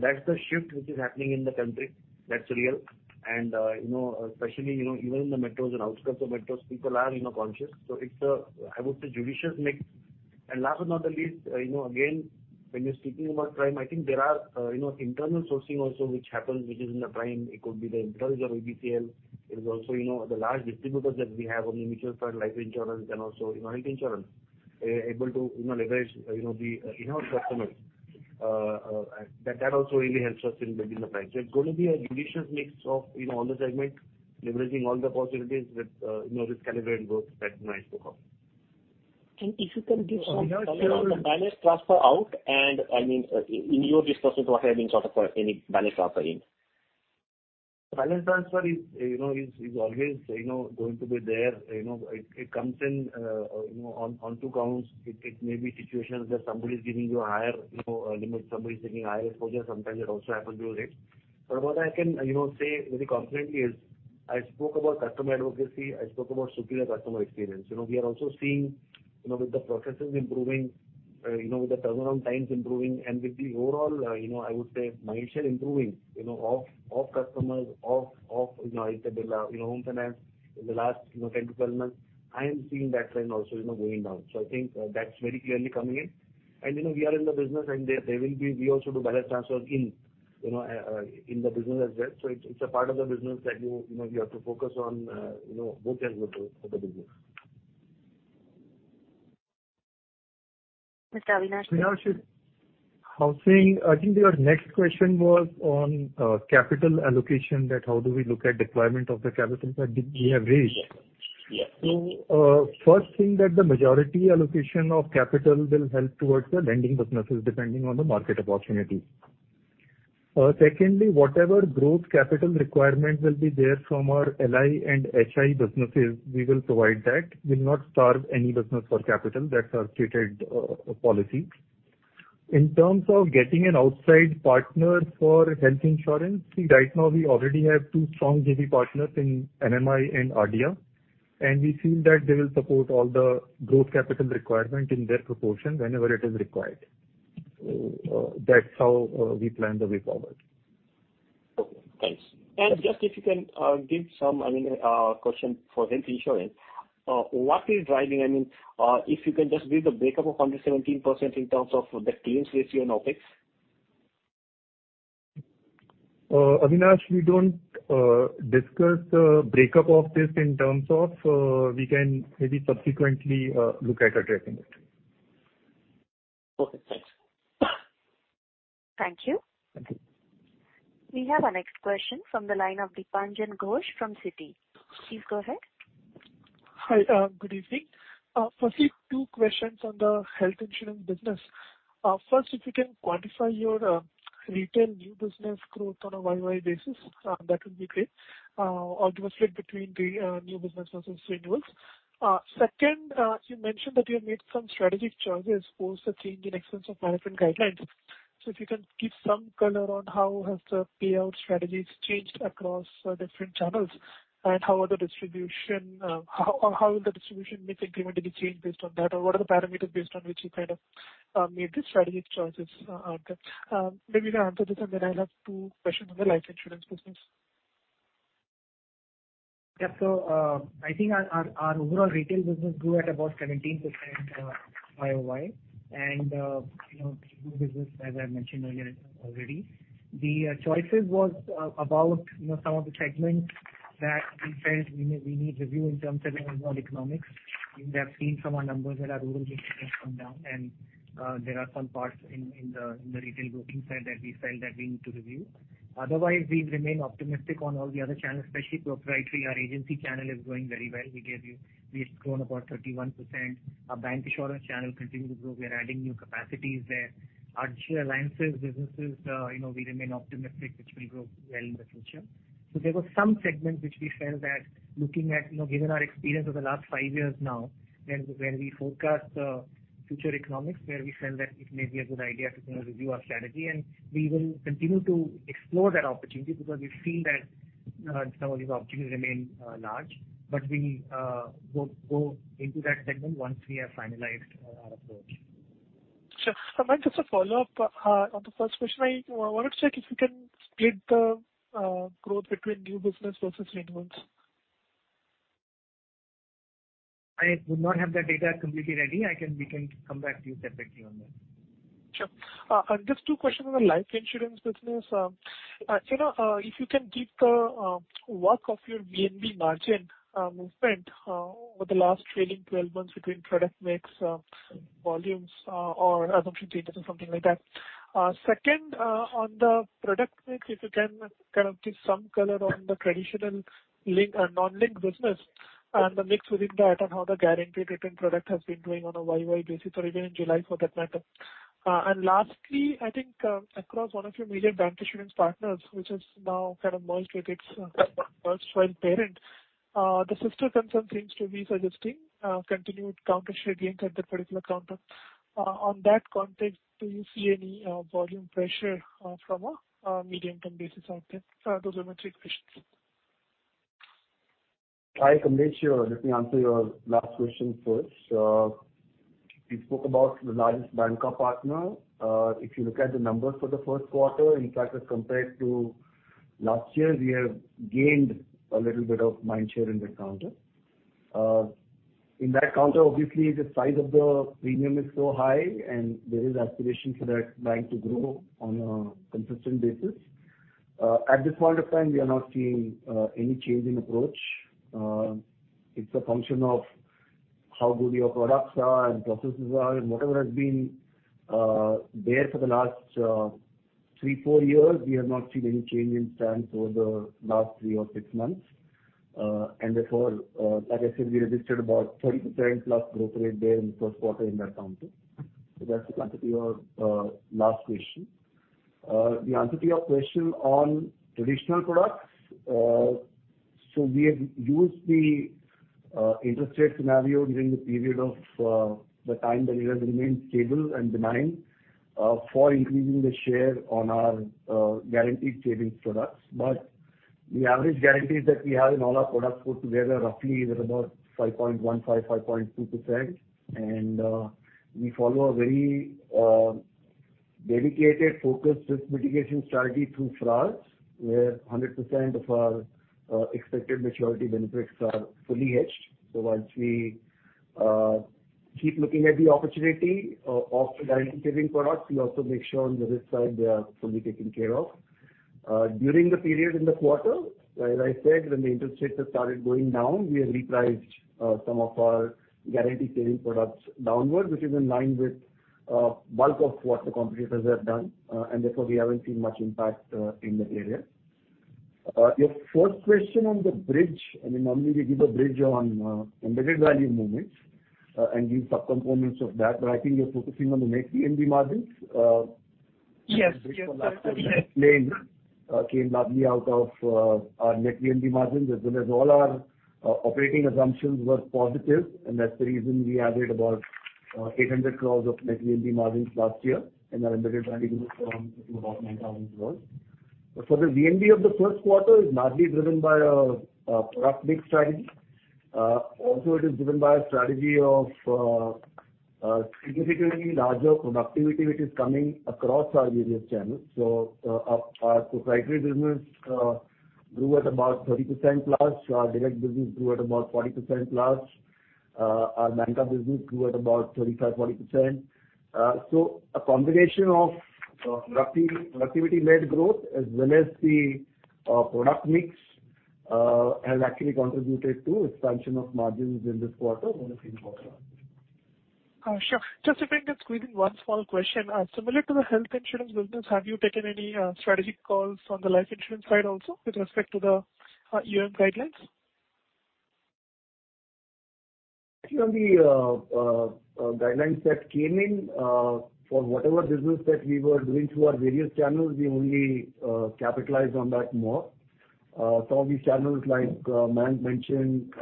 That's the shift which is happening in the country. That's real. Especially, you know, even in the metros and outskirts of metros, people are, you know, conscious. It's a, I would say, judicious mix. Last but not the least, you know, again, when you're speaking about prime, I think there are, you know, internal sourcing also, which happens, which is in the prime. It could be the insurance or ABCL. It is also, you know, the large distributors that we have on the mutual fund, life insurance, and also, you know, health insurance, able to, you know, leverage, you know, the, in-house customers. That, that also really helps us in building the prime. It's going to be a judicious mix of, you know, all the segment, leveraging all the possibilities with, you know, risk caliber and growth that might offer. If you can give some color on the balance transfer out, and, I mean, in your discussion, what have been sort of any balance transfer in? Balance transfer is, you know, is, is always, you know, going to be there. You know, it, it comes in, you know, on, on two counts. It, it may be situations where somebody is giving you a higher, you know, limit, somebody is giving higher exposure. Sometimes it also happens with rates. What I can, you know, say very confidently is, I spoke about customer advocacy, I spoke about superior customer experience. You know, we are also seeing, you know, with the processes improving, you know, with the turnaround times improving, and with the overall, you know, I would say mindset improving, you know, of, of customers, of, of, you know, ICICI, Home Finance in the last, you know, 10 to 12 months, I am seeing that trend also, you know, going down. I think that's very clearly coming in. You know, we are in the business, and there, there will be. We also do balance transfers in, you know, in the business as well. It's, it's a part of the business that you, you know, you have to focus on, you know, both as well for the business. Mr. Avinash? Yeah, sure. Housing, I think your next question was on capital allocation, that how do we look at deployment of the capital that we have raised? Yes. Yes. First thing that the majority allocation of capital will help towards the lending businesses, depending on the market opportunity. Secondly, whatever growth capital requirement will be there from our LI and HI businesses, we will provide that. We'll not starve any business for capital. That's our stated policy. In terms of getting an outside partner for health insurance, see, right now we already have two strong JV partners in MMI and Aditya, and we feel that they will support all the growth capital requirement in their proportion whenever it is required. That's how we plan the way forward. Okay, thanks. Just if you can, give some, I mean, question for Health Insurance. What is driving, I mean, if you can just give the breakup of 117% in terms of the claims ratio and OpEx? Avinash, we don't discuss the breakup of this in terms of, we can maybe subsequently look at addressing it. Okay, thanks. Thank you. Thank you. We have our next question from the line of Dipanjan Ghosh from Citigroup. Please go ahead. Hi, good evening. Firstly, two questions on the Health Insurance business. First, if you can quantify your retail new business growth on a year-over-year basis, that would be great. Or demonstrate between the new business versus renewals. Second, you mentioned that you have made some strategic choices post the change in Expenses of Management guidelines. If you can give some color on how has the payout strategies changed across different channels? How will the distribution mix incrementally change based on that? What are the parameters based on which you kind of made the strategic choices out there? Maybe you can answer this, then I'll have two questions on the Life Insurance business. Yeah. I think our overall retail business grew at about 17% YoY. You know, new business, as I mentioned earlier already, the choices was about, you know, some of the segments that we felt we need review in terms of overall economics. We have seen some numbers that are rural business come down, and there are some parts in the retail booking side that we felt that we need to review. Otherwise, we remain optimistic on all the other channels, especially proprietary. Our agency channel is doing very well. We've grown about 31%. Our bank insurance channel continue to grow. We are adding new capacities there. Our alliance's businesses, you know, we remain optimistic, which will grow well in the future. There were some segments which we felt that looking at, you know, given our experience over the last five years now, where, where we forecast future economics, where we felt that it may be a good idea to, you know, review our strategy. We will continue to explore that opportunity because we've seen that some of these opportunities remain large. We will go into that segment once we have finalized our approach. Sure. Just a follow-up on the first question, I wanted to check if you can split the growth between new business versus renewals. I do not have that data completely ready. We can come back to you separately on that. Sure. Just 2 questions on the life insurance business. You know, if you can give the work of your VNB margin movement over the last trailing 12 months between product mix, volumes, or assumption changes or something like that. Second, on the product mix, if you can kind of give some color on the traditional link and non-link business, and the mix within that, and how the guaranteed return product has been doing on a Y-Y basis, or even in July, for that matter. And lastly, I think, across one of your major bank insurance partners, which has now kind of merged with its merged parent, the sister concern seems to be suggesting continued counter share gains at that particular counter. On that context, do you see any volume pressure, from a medium-term basis out there? Those are my three questions. Hi, Kamesh, sure. Let me answer your last question first. You spoke about the largest banker partner. If you look at the numbers for the first quarter, in fact, as compared to last year, we have gained a little bit of mind share in that counter. In that counter, obviously, the size of the premium is so high, and there is aspiration for that bank to grow on a consistent basis. At this point of time, we are not seeing any change in approach. It's a function of how good your products are and processes are, and whatever has been there for the last three, four years, we have not seen any change in stance over the last three or six months. Therefore, like I said, we registered about 30%+ growth rate there in the first quarter in that counter. That's to answer your last question. The answer to your question on traditional products, we have used the interest rate scenario during the period of the time that it has remained stable and benign for increasing the share on our guaranteed savings products. The average guarantees that we have in all our products put together roughly is about 5.15%-5.2%. We follow a very dedicated focus, risk mitigation strategy through FRAs, where 100% of our expected maturity benefits are fully hedged. Once we keep looking at the opportunity of the guaranteed savings products, we also make sure on the risk side they are fully taken care of. During the period in the quarter, as I said, when the interest rates have started going down, we have repriced some of our guaranteed savings products downward, which is in line with bulk of what the competitors have done. Therefore, we haven't seen much impact in the area. Your first question on the bridge, I mean, normally we give a bridge on embedded value movements and give subcomponents of that, but I think you're focusing on the net VNB margins. Yes. Yes. Last year, claim, came largely out of our net VNB margins, as well as all our operating assumptions were positive, and that's the reason we added about 800 crore of net VNB margins last year, and our embedded value grew from about 9,000 crore. For the VNB of the 1st quarter is largely driven by a product mix strategy. Also, it is driven by a strategy of a significantly larger productivity, which is coming across our various channels. Our proprietary business grew at about 30%+. Our direct business grew at about 40%+. Our banker business grew at about 35%-40%. A combination of productivity, productivity-led growth as well as the product mix has actually contributed to expansion of margins in this quarter on a sequential. Sure. Just if I can squeeze in one small question. Similar to the health insurance business, have you taken any strategic calls on the life insurance side also with respect to the UM guidelines? Actually, on the guidelines that came in, for whatever business that we were doing through our various channels, we only capitalized on that more. Some of these channels, like Mayank mentioned,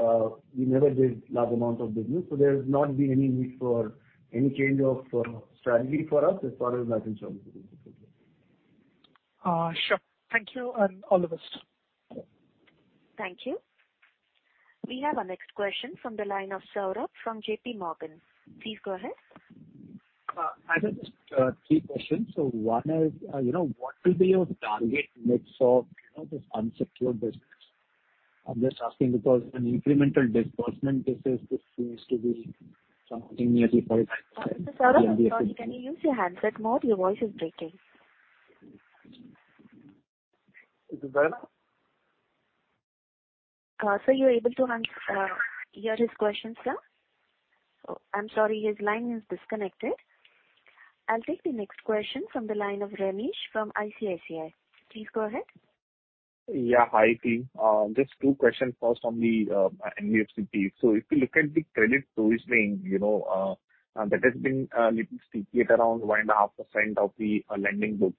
we never did large amounts of business, so there's not been any need for any change of strategy for us as far as life insurance is concerned. sure. Thank you, and all the best. Thank you. We have our next question from the line of Saurabh from JP Morgan. Please go ahead. I have just 3 questions. One is, you know, what will be your target mix of, you know, this unsecured business? I'm just asking because an incremental disbursement business, this seems to be something nearly five- Mr. Saurabh, can you use your handset mode? Your voice is breaking. Is it better now? Sir, you're able to hear his question, sir? Oh, I'm sorry, his line is disconnected. I'll take the next question from the line of Ramesh from ICICI. Please go ahead. Yeah. Hi, team. Just 2 questions. First, on the NBFC piece. If you look at the credit provisioning, you know, that has been little stickier around 1.5% of the lending book,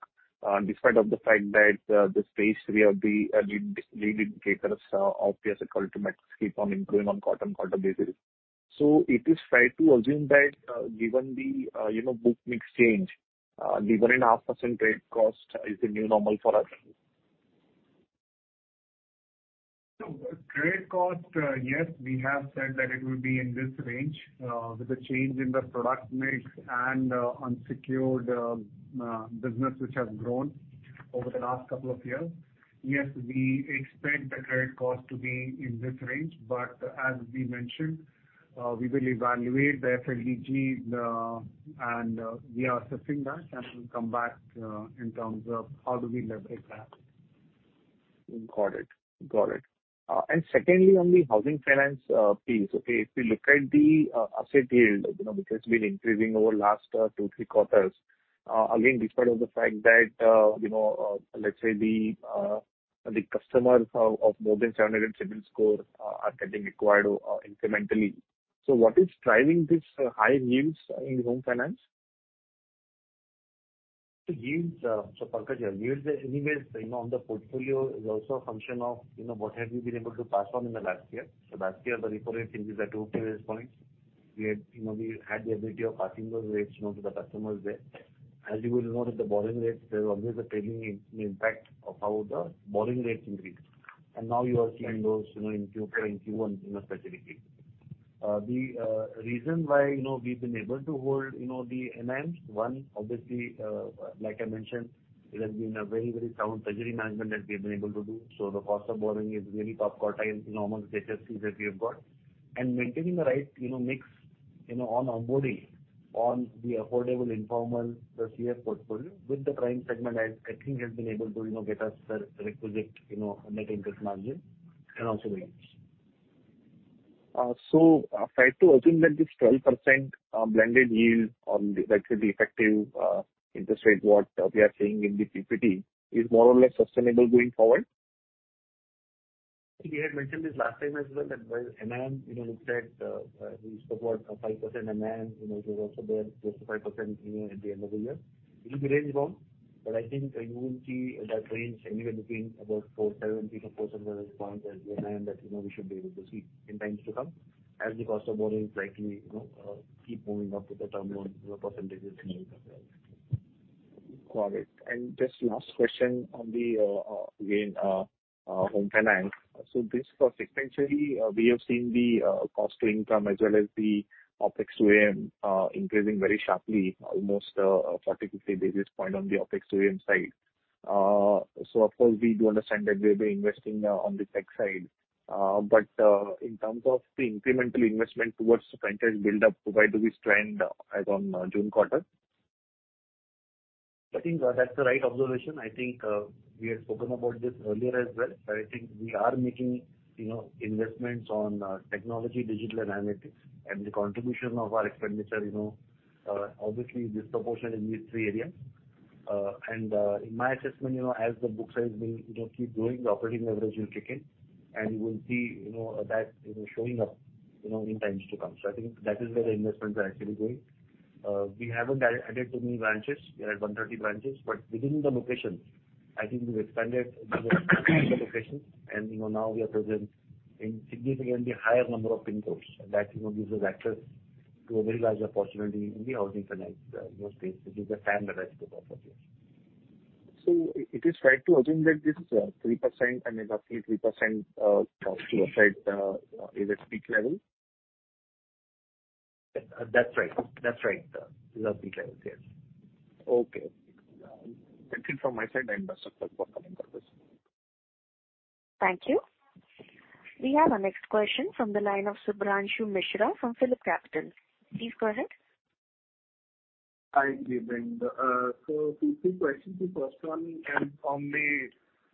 despite of the fact that the Stage 3 of the lead, lead indicators of asset quality metrics keep on improving on quarter-on-quarter basis. Is it fair to assume that, given the, you know, book mix change, given a 0.5% grade cost is the new normal for us? Trade cost, yes, we have said that it would be in this range, with the change in the product mix and unsecured business which has grown over the last couple of years. Yes, we expect the credit cost to be in this range, but as we mentioned, we will evaluate the FLDG, and we are assessing that, and we'll come back in terms of how do we leverage that. Got it. Got it. Secondly, on the housing finance piece, okay, if you look at the asset yield, you know, which has been increasing over the last 2, 3 quarters, again, despite of the fact that, you know, let's say the customers of more than 700 credit score are getting acquired incrementally. What is driving this high yields in home finance? Yields, so Pankaj, yields are anyways, you know, on the portfolio is also a function of, you know, what have we been able to pass on in the last year. Last year, the repo rate increased at 2 basis points. We had, you know, we had the ability of passing those rates, you know, to the customers there. As you will note that the borrowing rates, there's always a trailing impact of how the borrowing rates increase. Now you are seeing those, you know, in Q4 and Q1, you know, specifically. The reason why, you know, we've been able to hold, you know, the NIM, one, obviously, like I mentioned, it has been a very, very sound treasury management that we have been able to do. The cost of borrowing is very top quartile among the HFCs that we have got. Maintaining the right, you know, mix, you know, on onboarding on the affordable, informal, the CF portfolio with the prime segment, I think has been able to, you know, get us the, the requisite, you know, net interest margin and also rates. Fair to assume that this 12% blended yield on the, actually the effective interest rate, what we are seeing in the PPT, is more or less sustainable going forward? We had mentioned this last time as well, that while NIM, you know, looks at, we support a 5% NIM, you know, it was also there, close to 5%, you know, at the end of the year. It will be range bound, but I think you will see that range anywhere between about 4.7%-4% response as NIM, that, you know, we should be able to see in times to come, as the cost of borrowing is likely, you know, keep moving up with the term loan percentages. Got it. Just last question on the, again, home finance. This quarter, sequentially, we have seen the cost to income as well as the OpEx to IM increasing very sharply, almost 45 to 50 basis point on the OpEx to IM side. Of course, we do understand that we're investing on the tech side, but in terms of the incremental investment towards the franchise build-up, where do we stand as on June quarter? I think that's the right observation. I think, we had spoken about this earlier as well. I think we are making, you know, investments on, technology, digital and analytics, and the contribution of our expenditure, you know, obviously, disproportionate in these three areas. In my assessment, you know, as the book size will, you know, keep growing, the operating leverage will kick in, and you will see, you know, that, you know, showing up, you know, in times to come. I think that is where the investments are actually going. We haven't added too many branches. We are at 130 branches, but within the locations, I think we've expanded the locations and, you know, now we are present in significantly higher number of pin codes. That, you know, gives us access to a very larger opportunity in the housing finance space, which is a standard as to the population. It is fair to assume that this is, 3%, I mean, roughly 3%, cost to asset, is at peak level? That's right. That's right. Those are peak levels, yes. Okay. Thank you from my side. I'm done, sir. Thank you for coming to this.... Thank you. We have our next question from the line of Shubhranshu Mishra from PhillipCapital. Please go ahead. Hi, good evening. Two, two questions. The first one is on the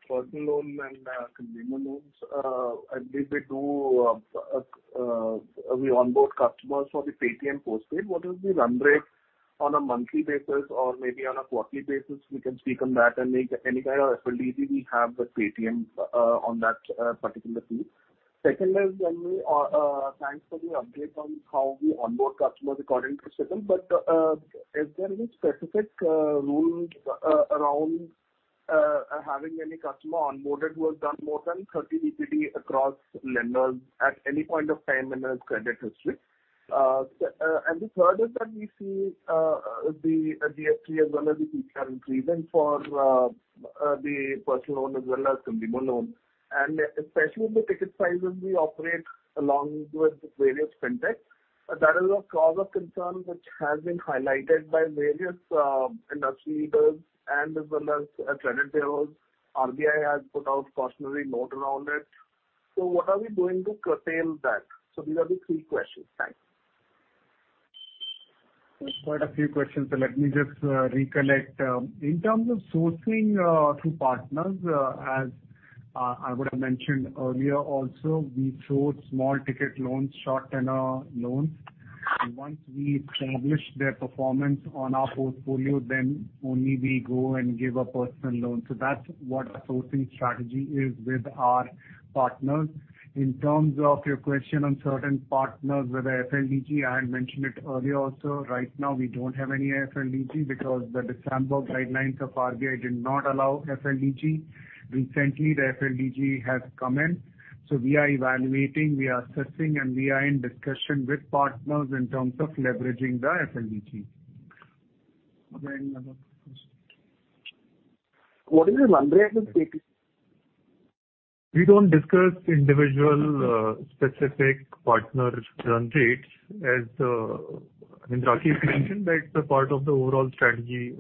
personal loan and consumer loans. We onboard customers for the Paytm Postpaid. What is the run rate on a monthly basis or maybe on a quarterly basis, we can speak on that, and any kind of FLDG we have with Paytm on that particular piece? Second is generally, thanks for the update on how we onboard customers according to system, is there any specific rules around having any customer onboarded who has done more than 30 DPD across lenders at any point of time in their credit history? The third is that we see the GS3 as well as the PCR increase and for the personal loan as well as consumer loan, and especially with the ticket sizes we operate along with various Fintech. That is a cause of concern which has been highlighted by various industry leaders and as well as credit bureaus. RBI has put out cautionary note around it. What are we doing to curtail that? These are the three questions. Thanks. Quite a few questions, so let me just recollect. In terms of sourcing through partners, as I would have mentioned earlier also, we source small ticket loans, short tenor loans. Once we establish their performance on our portfolio, then only we go and give a personal loan. So that's what our sourcing strategy is with our partners. In terms of your question on certain partners with the FLDG, I had mentioned it earlier also. Right now, we don't have any FLDG because the December guidelines of RBI did not allow FLDG. Recently, the FLDG has come in, so we are evaluating, we are assessing, and we are in discussion with partners in terms of leveraging the FLDG. Another question. What is the run rate with Paytm? We don't discuss individual, specific partner run rates. As, I mean, Rakshit mentioned that it's a part of the overall strategy,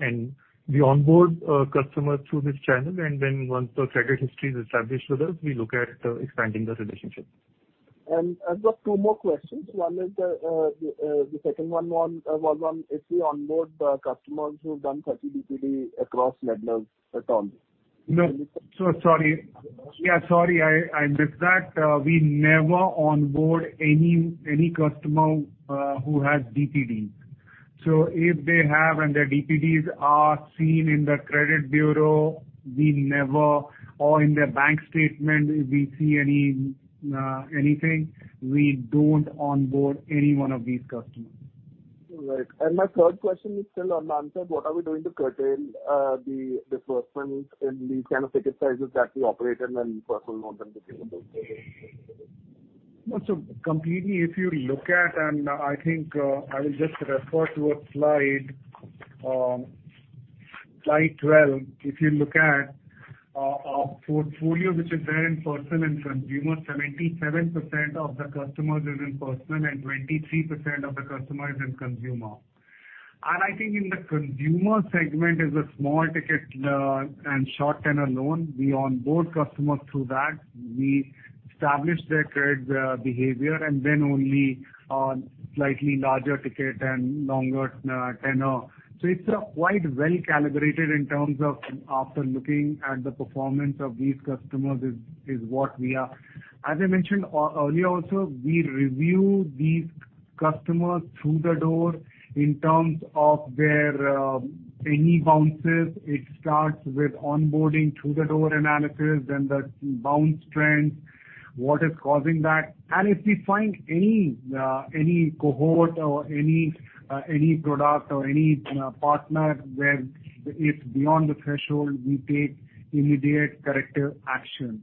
and we onboard customers through this channel, and then once the credit history is established with us, we look at expanding this relationship. I've got 2 more questions. One is, the second one, one on if we onboard the customers who have done 30 DPD across lenders at all? No. So sorry. Yeah, sorry, I missed that. We never onboard any customer who has DPD. If they have and their DPDs are seen in the credit bureau, we never, or in their bank statement, if we see any anything, we don't onboard any one of these customers. Right. My third question is still unanswered. What are we doing to curtail the disbursements in these kind of ticket sizes that we operate in and personal loan and consumer loans? Completely, if you look at, and I think, I will just refer to a slide, slide 12. If you look at our, our portfolio, which is there in personal and consumer, 77% of the customers are in personal and 23% of the customers is in consumer. I think in the consumer segment is a small ticket and short tenor loan. We onboard customers through that. We establish their credit behavior, and then only on slightly larger ticket and longer tenor. It's a quite well calibrated in terms of after looking at the performance of these customers is what we are. As I mentioned earlier also, we review these customers through the door in terms of their any bounces. It starts with onboarding through the door analysis, then the bounce trends, what is causing that? If we find any, any cohort or any, any product or any, any partner where it's beyond the threshold, we take immediate corrective action.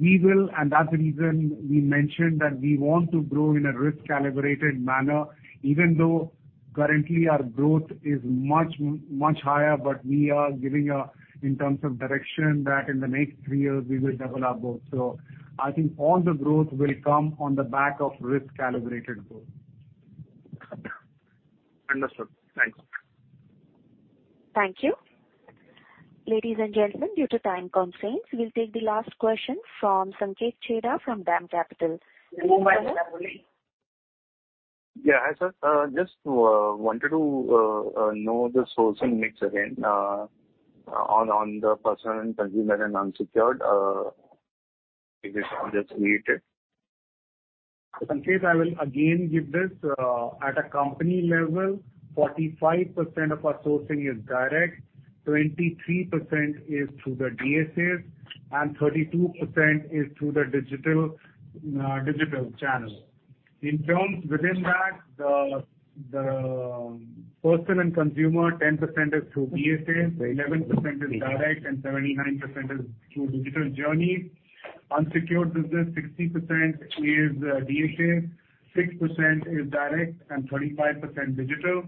We will - and that's the reason we mentioned that we want to grow in a risk-calibrated manner, even though currently our growth is much, much higher, but we are giving a, in terms of direction, that in the next three years we will double our growth. I think all the growth will come on the back of risk-calibrated growth. Understood. Thanks. Thank you. Ladies and gentlemen, due to time constraints, we'll take the last question from Sanket Chheda from DAM Capital. Yeah, hi, sir. Just to wanted to know the sourcing mix again, on on the personal and consumer and unsecured, if it's just needed? Sanket, I will again give this. At a company level, 45% of our sourcing is direct, 23% is through the DSAs, and 32% is through the digital, digital channel. In terms within that, the, the personal and consumer, 10% is through DSAs, 11% is direct, and 79% is through digital journey. Unsecured business, 60% is DSAs, 6% is direct, and 25% digital.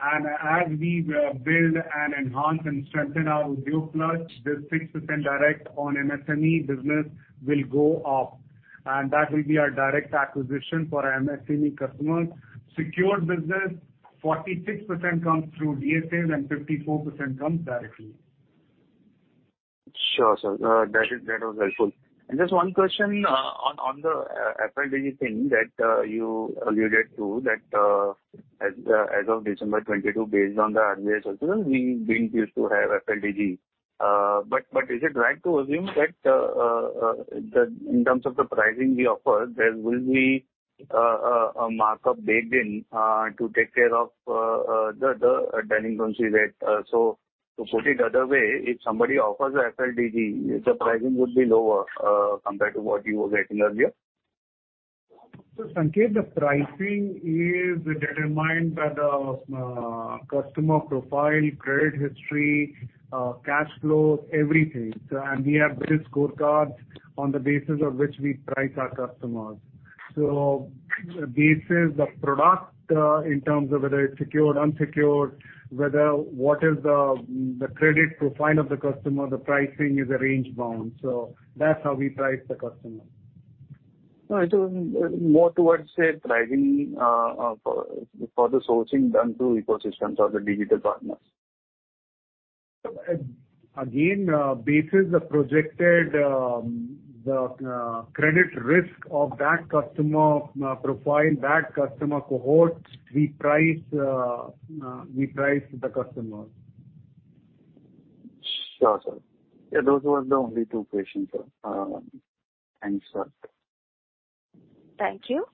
As we build and enhance and strengthen our Udyog Plus, this 6% direct on MSME business will go up. That will be our direct acquisition for our MSME customers. Secured business, 46% comes through DSAs and 54% comes directly. Sure, sir, that is, that was helpful. Just one question, on, on the, FLDG thing that, you alluded to, that, as, as of December 22, based on the earlier results, we didn't used to have FLDG. Is it right to assume that, the, in terms of the pricing we offer, there will be, a, a markup baked in, to take care of, the, the declining currency rate? To put it the other way, if somebody offers FLDG, the pricing would be lower, compared to what you were getting earlier? Sanket, the pricing is determined by the customer profile, credit history, cash flow, everything. We have credit scorecards on the basis of which we price our customers. Basis the product, in terms of whether it's secured, unsecured, what is the credit profile of the customer, the pricing is a range bound, so that's how we price the customer. No, it is more towards, say, pricing, for the sourcing done through ecosystems or the digital partners. Again, basis the projected, the credit risk of that customer, profile, that customer cohort, we price, we price the customer. Sure, sir. Yeah, those were the only two questions, sir. Thanks, sir. Thank you.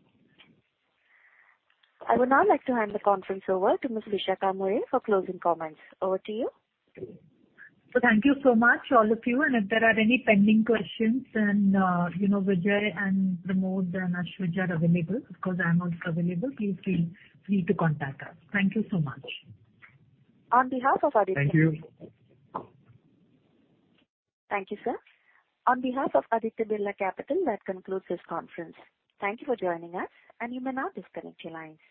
I would now like to hand the conference over to Ms. Vishakha Mulye for closing comments. Over to you. Thank you so much, all of you. If there are any pending questions, then, you know, Vijay and Pramod and Ashwij are available. Of course, I'm also available. Please feel free to contact us. Thank you so much. On behalf of Aditya- Thank you. Thank you, sir. On behalf of Aditya Birla Capital, that concludes this conference. Thank you for joining us, and you may now disconnect your lines.